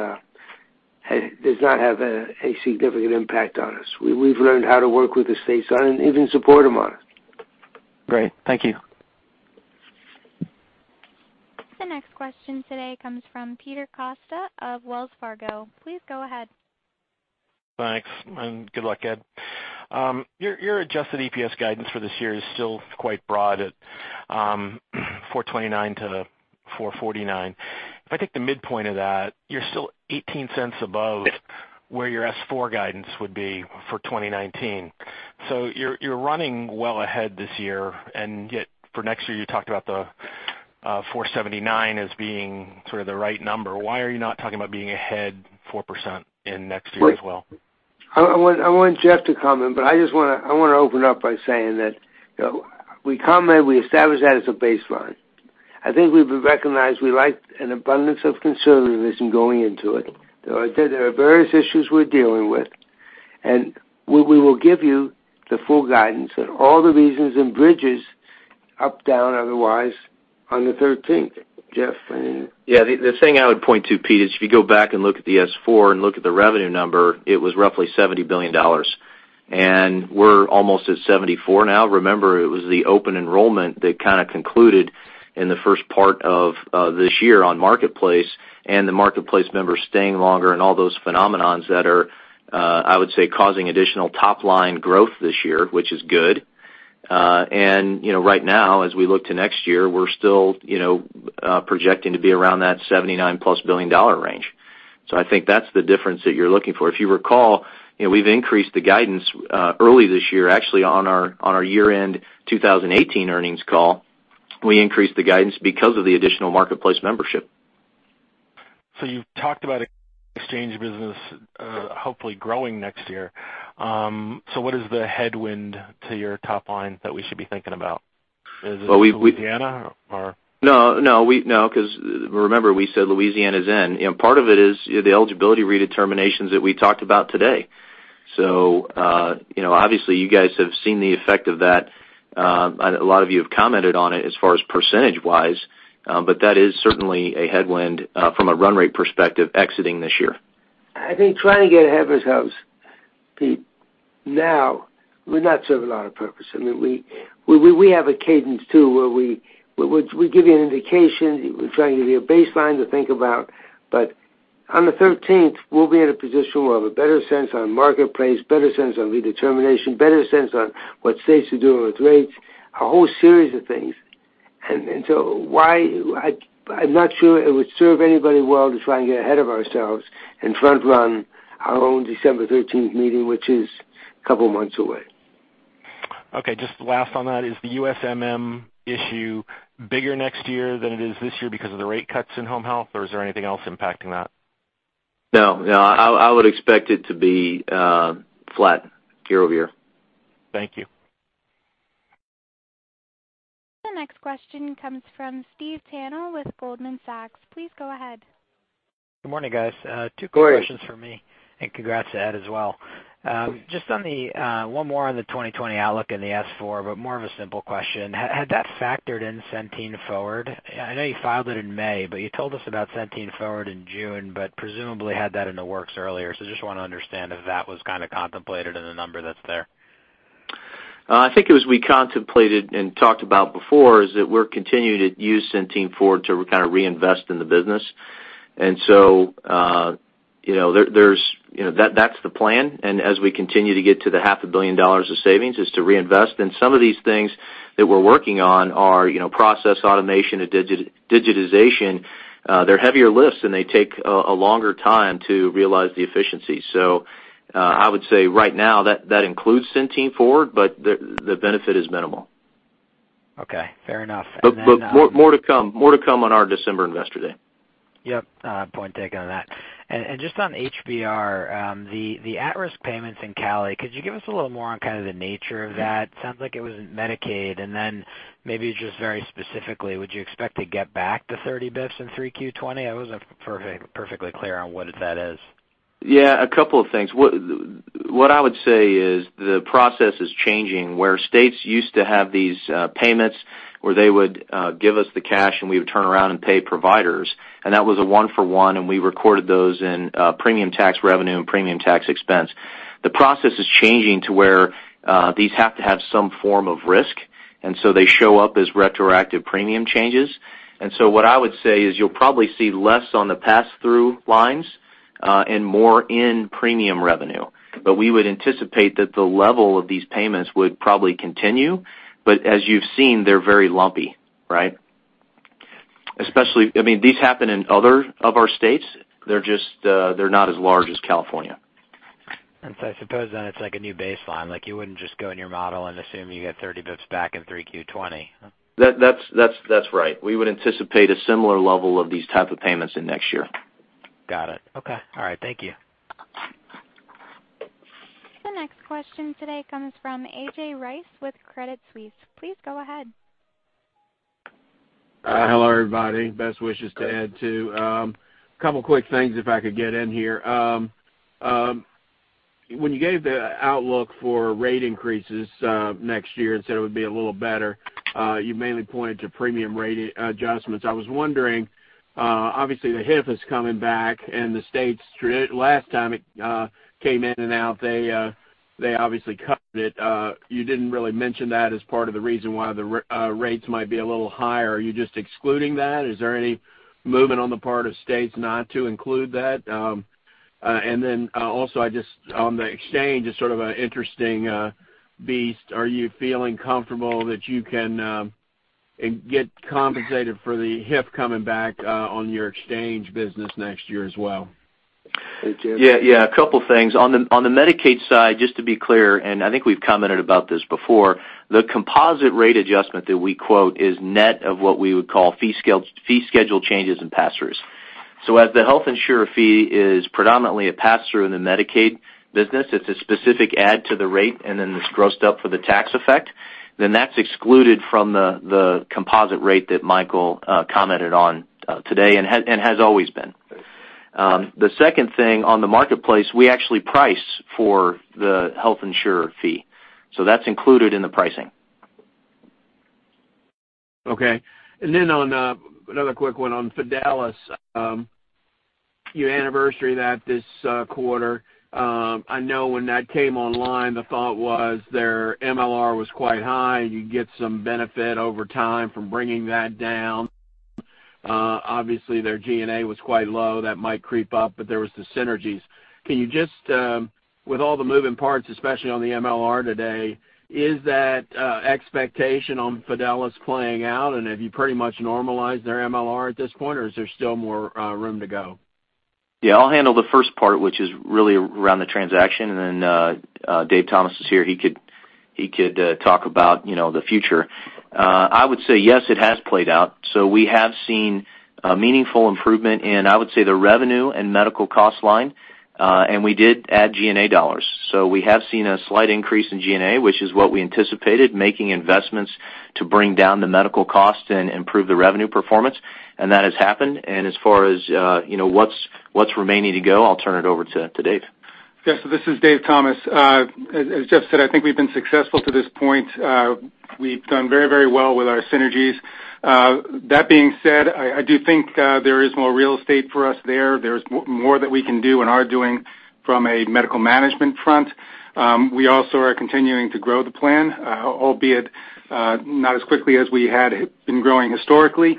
does not have a significant impact on us. We've learned how to work with the states on it and even support them on it. Great. Thank you. The next question today comes from Peter Costa of Wells Fargo. Please go ahead. Thanks, and good luck, Ed. Your adjusted EPS guidance for this year is still quite broad at $4.29 to $4.49. If I take the midpoint of that, you're still $0.18 above where your S4 guidance would be for 2019. You're running well ahead this year, and yet for next year, you talked about the $4.79 as being sort of the right number. Why are you not talking about being ahead 4% in next year as well? I want Jeff to comment, but I want to open up by saying that we comment, we establish that as a baseline. I think we've recognized we like an abundance of conservatism going into it. There are various issues we're dealing with, and we will give you the full guidance and all the reasons and bridges up, down, otherwise, on the 13th. Jeff, anything? Yeah. The thing I would point to, Peter, is if you go back and look at the S4 and look at the revenue number, it was roughly $70 billion. We're almost at $74 now. Remember, it was the open enrollment that kind of concluded in the first part of this year on Marketplace, and the Marketplace members staying longer and all those phenomenons that are, I would say, causing additional top-line growth this year, which is good. Right now, as we look to next year, we're still projecting to be around that $79-plus billion range. I think that's the difference that you're looking for. If you recall, we've increased the guidance early this year. Actually, on our year-end 2018 earnings call, we increased the guidance because of the additional Marketplace membership. You've talked about exchange business hopefully growing next year. What is the headwind to your top line that we should be thinking about? Well, we- Is it Louisiana, or? No, because remember, we said Louisiana's in. Part of it is the eligibility redeterminations that we talked about today. Obviously, you guys have seen the effect of that. A lot of you have commented on it as far as percentage-wise. That is certainly a headwind, from a run rate perspective, exiting this year. I think trying to get ahead of ourselves, Peter, now, would not serve a lot of purpose. We have a cadence, too, where we give you an indication. We're trying to give you a baseline to think about. On the 13th, we'll be in a position where we'll have a better sense on Marketplace, better sense on redetermination, better sense on what states are doing with rates, a whole series of things. I'm not sure it would serve anybody well to try and get ahead of ourselves and front-run our own December 13th meeting, which is a couple of months away. Okay, just last on that, is the USMM issue bigger next year than it is this year because of the rate cuts in home health, or is there anything else impacting that? No. I would expect it to be flat year-over-year. Thank you. The next question comes from Stephen Tanal with Goldman Sachs. Please go ahead. Good morning, guys. Good morning. Two quick questions from me. Congrats to Ed as well. Just one more on the 2020 outlook and the S4, more of a simple question. Had that factored in Centene Forward? I know you filed it in May, you told us about Centene Forward in June, but presumably had that in the works earlier. Just want to understand if that was kind of contemplated in the number that's there. I think it was we contemplated and talked about before is that we're continuing to use Centene Forward to kind of reinvest in the business. That's the plan. As we continue to get to the half a billion dollars of savings is to reinvest in some of these things that we're working on are process automation and digitization. They're heavier lifts, and they take a longer time to realize the efficiency. I would say right now that includes Centene Forward, but the benefit is minimal. Okay, fair enough. More to come on our December investor day. Yep, point taken on that. Just on HBR, the at-risk payments in Cali, could you give us a little more on kind of the nature of that? Sounds like it was Medicaid and then maybe just very specifically, would you expect to get back the 30 basis points in 3Q20? I wasn't perfectly clear on what that is. Yeah, a couple of things. What I would say is the process is changing, where states used to have these payments where they would give us the cash, and we would turn around and pay providers. That was a one for one, and we recorded those in premium tax revenue and premium tax expense. The process is changing to where these have to have some form of risk, and so they show up as retroactive premium changes. What I would say is you'll probably see less on the pass-through lines, and more in premium revenue. We would anticipate that the level of these payments would probably continue. As you've seen, they're very lumpy, right? I mean, these happen in other of our states. They're not as large as California. I suppose then it's like a new baseline. Like you wouldn't just go in your model and assume you get 30 basis points back in 3Q20. That's right. We would anticipate a similar level of these type of payments in next year. Got it. Okay. All right. Thank you. The next question today comes from A.J. Rice with Credit Suisse. Please go ahead. Hello, everybody. Best wishes to Ed, too. Couple quick things if I could get in here. When you gave the outlook for rate increases next year and said it would be a little better, you mainly pointed to premium rate adjustments. I was wondering, obviously the HIF is coming back and the states, last time it came in and out, they obviously cut it. You didn't really mention that as part of the reason why the rates might be a little higher. Are you just excluding that? Is there any movement on the part of states not to include that? Also on the exchange is sort of an interesting beast. Are you feeling comfortable that you can get compensated for the HIF coming back on your exchange business next year as well? Yeah, a couple things. On the Medicaid side, just to be clear, and I think we've commented about this before, the composite rate adjustment that we quote is net of what we would call fee schedule changes and pass-throughs. As the health insurer fee is predominantly a pass-through in the Medicaid business, it's a specific add to the rate, and then it's grossed up for the tax effect, then that's excluded from the composite rate that Michael commented on today and has always been. The second thing, on the marketplace, we actually price for the health insurer fee, so that's included in the pricing. Okay. Another quick one on Fidelis. You anniversary that this quarter. I know when that came online, the thought was their MLR was quite high, and you'd get some benefit over time from bringing that down. Obviously, their G&A was quite low. That might creep up, but there was the synergies. Can you just, with all the moving parts, especially on the MLR today, is that expectation on Fidelis playing out, and have you pretty much normalized their MLR at this point, or is there still more room to go? Yeah, I'll handle the first part, which is really around the transaction, then David Thomas is here, he could talk about the future. I would say yes, it has played out. We have seen a meaningful improvement in, I would say, the revenue and medical cost line. We did add G&A dollars. We have seen a slight increase in G&A, which is what we anticipated, making investments to bring down the medical cost and improve the revenue performance. That has happened. As far as what's remaining to go, I'll turn it over to Dave. Yes, this is David Thomas. As Jeff said, I think we've been successful to this point. We've done very well with our synergies. That being said, I do think there is more real estate for us there. There's more that we can do and are doing from a medical management front. We also are continuing to grow the plan, albeit not as quickly as we had been growing historically.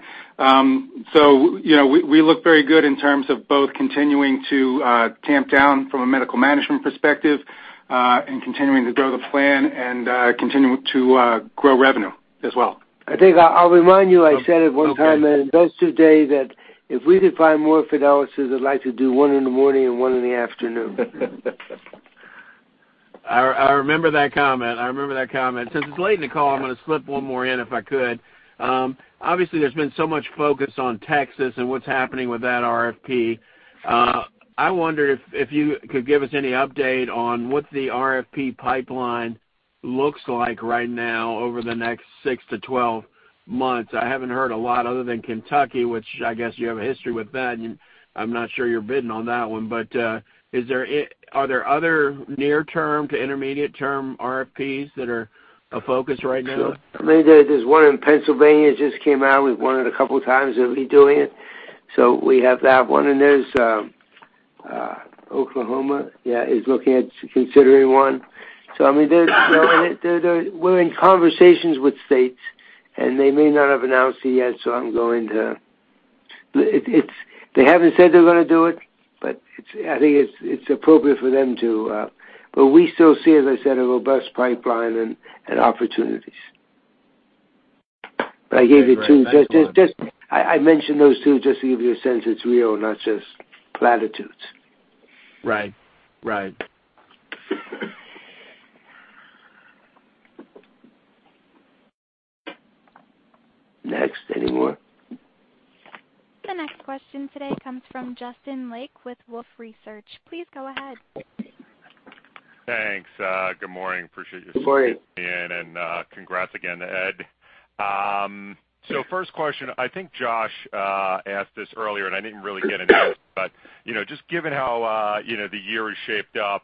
We look very good in terms of both continuing to tamp down from a medical management perspective, and continuing to grow the plan and continuing to grow revenue as well. I think I'll remind you, I said it one time, and it does today that if we could find more Fidelis, I'd like to do one in the morning and one in the afternoon. I remember that comment. Since it's late in the call, I'm going to slip one more in, if I could. Obviously, there's been so much focus on Texas and what's happening with that RFP. I wonder if you could give us any update on what the RFP pipeline looks like right now over the next 6 to 12 months. I haven't heard a lot other than Kentucky, which I guess you have a history with that, and I'm not sure you're bidding on that one. Are there other near term to intermediate term RFPs that are a focus right now? There's one in Pennsylvania, it just came out. We've won it a couple of times. It'll be doing it. We have that one in there. Oklahoma, yeah, is looking at considering one. We're in conversations with states, and they may not have announced it yet, so they haven't said they're going to do it, but I think it's appropriate for them to. We still see, as I said, a robust pipeline and opportunities. I gave you two, I mentioned those two just to give you a sense it's real, not just platitudes. Right. Next. Any more? The next question today comes from Justin Lake with Wolfe Research. Please go ahead. Thanks. Good morning. Good morning. Taking it in, and congrats again, Ed. First question, I think Josh asked this earlier, and I didn't really get an answer, but just given how the year has shaped up,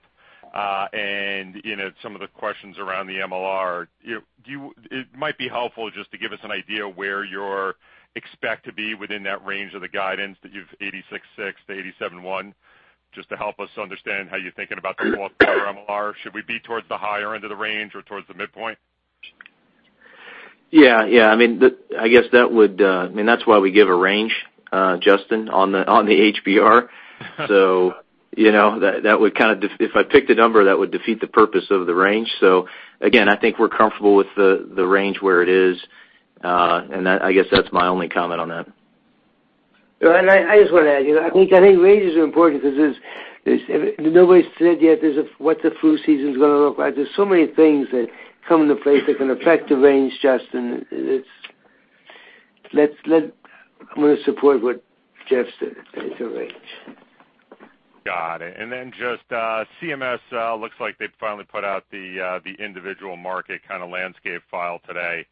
and some of the questions around the MLR, it might be helpful just to give us an idea where you're expect to be within that range of the guidance that you've, 86.6%-87.1%, just to help us understand how you're thinking about the full year MLR. Should we be towards the higher end of the range or towards the midpoint? Yeah. I guess that's why we give a range, Justin, on the HBR. If I picked a number, that would defeat the purpose of the range. Again, I think we're comfortable with the range where it is, and I guess that's my only comment on that. I just want to add, I think ranges are important because nobody's said yet what the flu season's going to look like. There's so many things that come into play that can affect the range, Justin. I'm going to support what Jeff said. It's a range. Got it. Just CMS, looks like they've finally put out the individual market kind of landscape file today.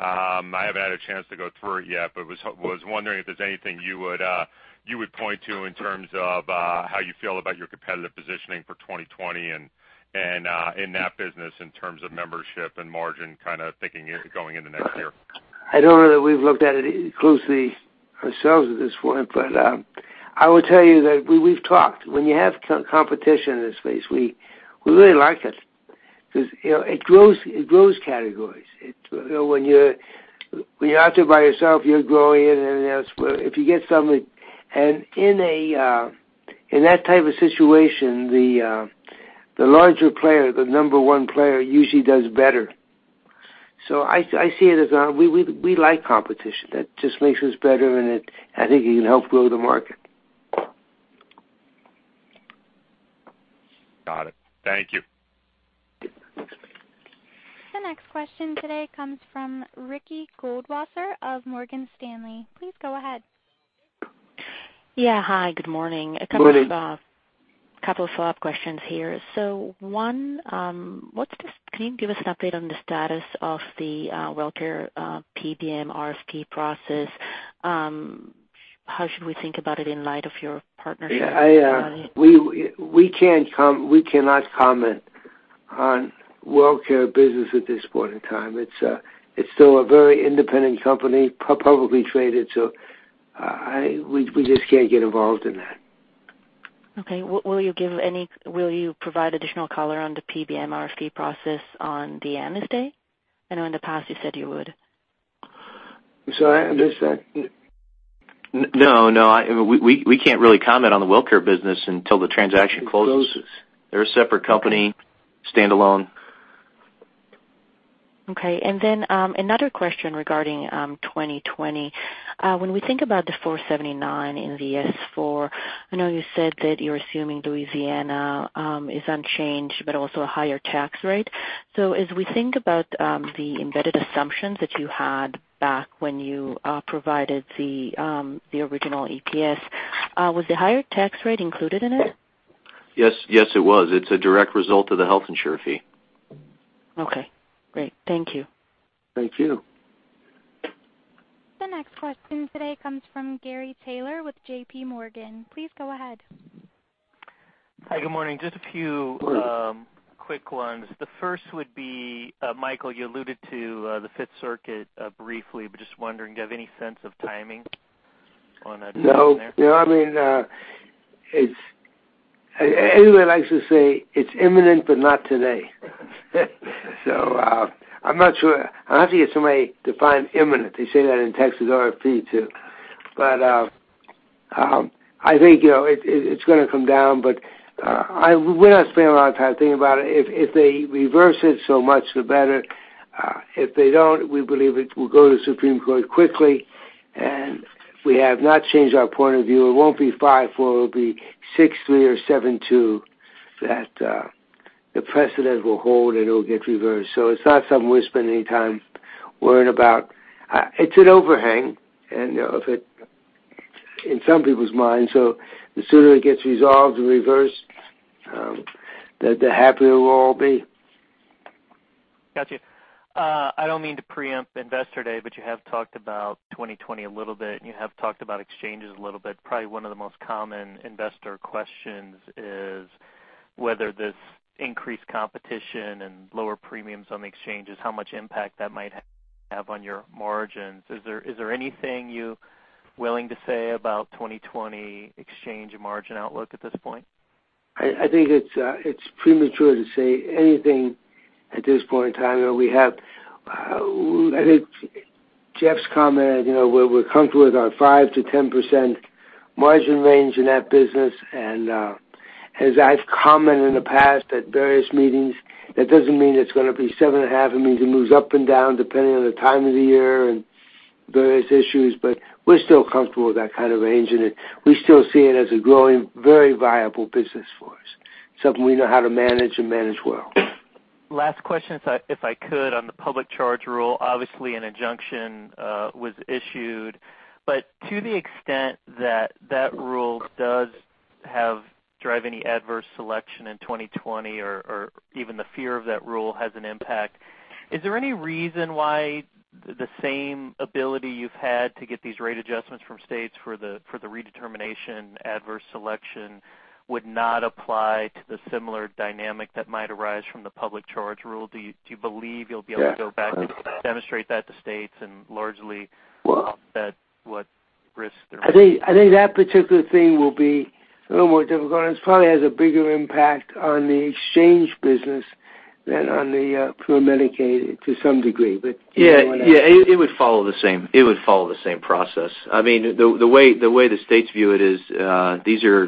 I haven't had a chance to go through it yet, but was wondering if there's anything you would point to in terms of how you feel about your competitive positioning for 2020 and in that business in terms of membership and margin kind of thinking going into next year? I don't know that we've looked at it closely ourselves at this point. I will tell you that we've talked. When you have competition in this space, we really like it because it grows categories. When you're out there by yourself, you're growing it. In that type of situation, the larger player, the number 1 player usually does better. I see it as, we like competition. That just makes us better, and I think it can help grow the market. Got it. Thank you. The next question today comes from Ricky Goldwasser of Morgan Stanley. Please go ahead. Yeah. Hi, good morning. Good morning. A couple of follow-up questions here. One, can you give us an update on the status of the WellCare PBM RFP process? How should we think about it in light of your partnership? We cannot comment on WellCare business at this point in time. It's still a very independent company, publicly traded, so we just can't get involved in that. Okay. Will you provide additional color on the PBM RFP process on the Analyst Day? I know in the past you said you would. Sorry, what's that? No. We can't really comment on the WellCare business until the transaction closes. It closes. They're a separate company, standalone. Okay. Another question regarding 2020. When we think about the $479 in the S4, I know you said that you're assuming Louisiana is unchanged, but also a higher tax rate. As we think about the embedded assumptions that you had back when you provided the original EPS, was the higher tax rate included in it? Yes, it was. It's a direct result of the health insurer fee. Okay, great. Thank you. Thank you. The next question today comes from Gary Taylor with J.P. Morgan. Please go ahead. Hi, good morning. Good morning. quick ones. The first would be, Michael, you alluded to the Fifth Circuit briefly, but just wondering, do you have any sense of timing on that? No. I like to say it's imminent, but not today. I'm not sure. I'll have to get somebody to define imminent. They say that in Texas RFP, too. I think it's going to come down, but we're not spending a lot of time thinking about it. If they reverse it, so much the better. If they don't, we believe it will go to the Supreme Court quickly, and we have not changed our point of view. It won't be 5-4, it'll be 6-3 or 7-2 that the precedent will hold, and it will get reversed. It's not something we spend any time worrying about. It's an overhang in some people's minds, the sooner it gets resolved and reversed, the happier we'll all be. Got you. I don't mean to preempt Investor Day, but you have talked about 2020 a little bit, and you have talked about exchanges a little bit. Probably one of the most common investor questions is whether this increased competition and lower premiums on the exchanges, how much impact that might have on your margins. Is there anything you're willing to say about 2020 exchange margin outlook at this point? I think it's premature to say anything at this point in time. I think Jeff's comment, we're comfortable with our 5%-10% margin range in that business, and as I've commented in the past at various meetings, that doesn't mean it's going to be 7.5%. It means it moves up and down, depending on the time of the year and various issues. We're still comfortable with that kind of range, and we still see it as a growing, very viable business for us, something we know how to manage and manage well. Last question, if I could, on the public charge rule. Obviously, an injunction was issued, but to the extent that that rule does drive any adverse selection in 2020 or even the fear of that rule has an impact, is there any reason why the same ability you've had to get these rate adjustments from states for the redetermination adverse selection would not apply to the similar dynamic that might arise from the public charge rule? Do you believe you'll be able to go back and demonstrate that to states and largely offset what risks there are? I think that particular thing will be a little more difficult, and it probably has a bigger impact on the exchange business than on the pure Medicaid to some degree, but do you want to? Yeah. It would follow the same process. The way the states view it is these are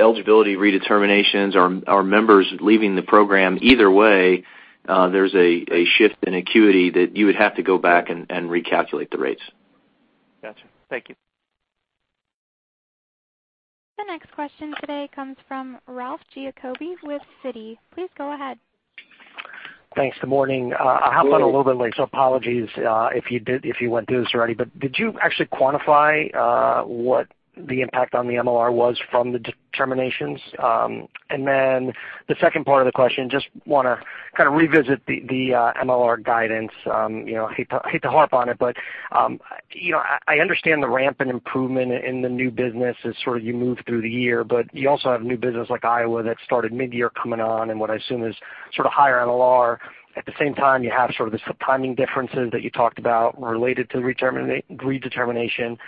eligibility redeterminations. Our members leaving the program, either way, there's a shift in acuity that you would have to go back and recalculate the rates. Got you. Thank you. The next question today comes from Ralph Giacobbe with Citi. Please go ahead. Thanks. Good morning. I hopped on a little bit late, so apologies if you went through this already, but did you actually quantify what the impact on the MLR was from the determinations? The second part of the question, just want to kind of revisit the MLR guidance. Hate to harp on it, but I understand the ramp in improvement in the new business as sort of you move through the year, but you also have new business like Iowa that started mid-year coming on and what I assume is sort of higher MLR. At the same time, you have sort of the timing differences that you talked about related to redetermination,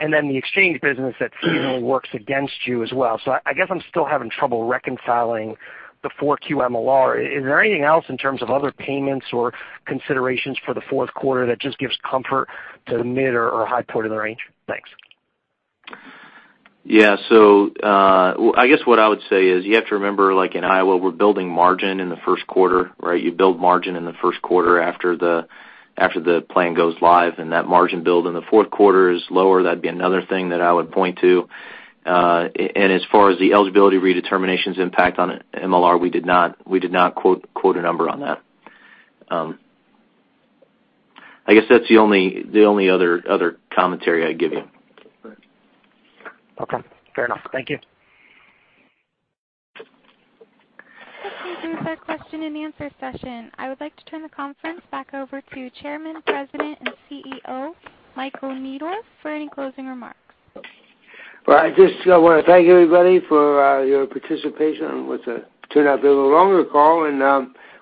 and then the exchange business that seasonally works against you as well. I guess I'm still having trouble reconciling the 4Q MLR. Is there anything else in terms of other payments or considerations for the fourth quarter that just gives comfort to the mid or high point of the range? Thanks. Yeah. I guess what I would say is you have to remember, like in Iowa, we're building margin in the first quarter, right? You build margin in the first quarter after the plan goes live, and that margin build in the fourth quarter is lower. That'd be another thing that I would point to. As far as the eligibility redeterminations impact on MLR, we did not quote a number on that. I guess that's the only other commentary I'd give you. Okay, fair enough. Thank you. That concludes our question and answer session. I would like to turn the conference back over to Chairman, President, and CEO, Michael Neidorff, for any closing remarks. Well, I just want to thank everybody for your participation on what's turned out to be a longer call, and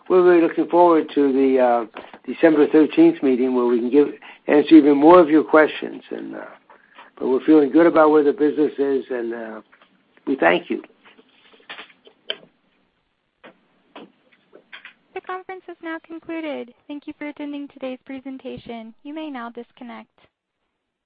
we're really looking forward to the December 13th meeting where we can answer even more of your questions. We're feeling good about where the business is, and we thank you. The conference has now concluded. Thank you for attending today's presentation. You may now disconnect.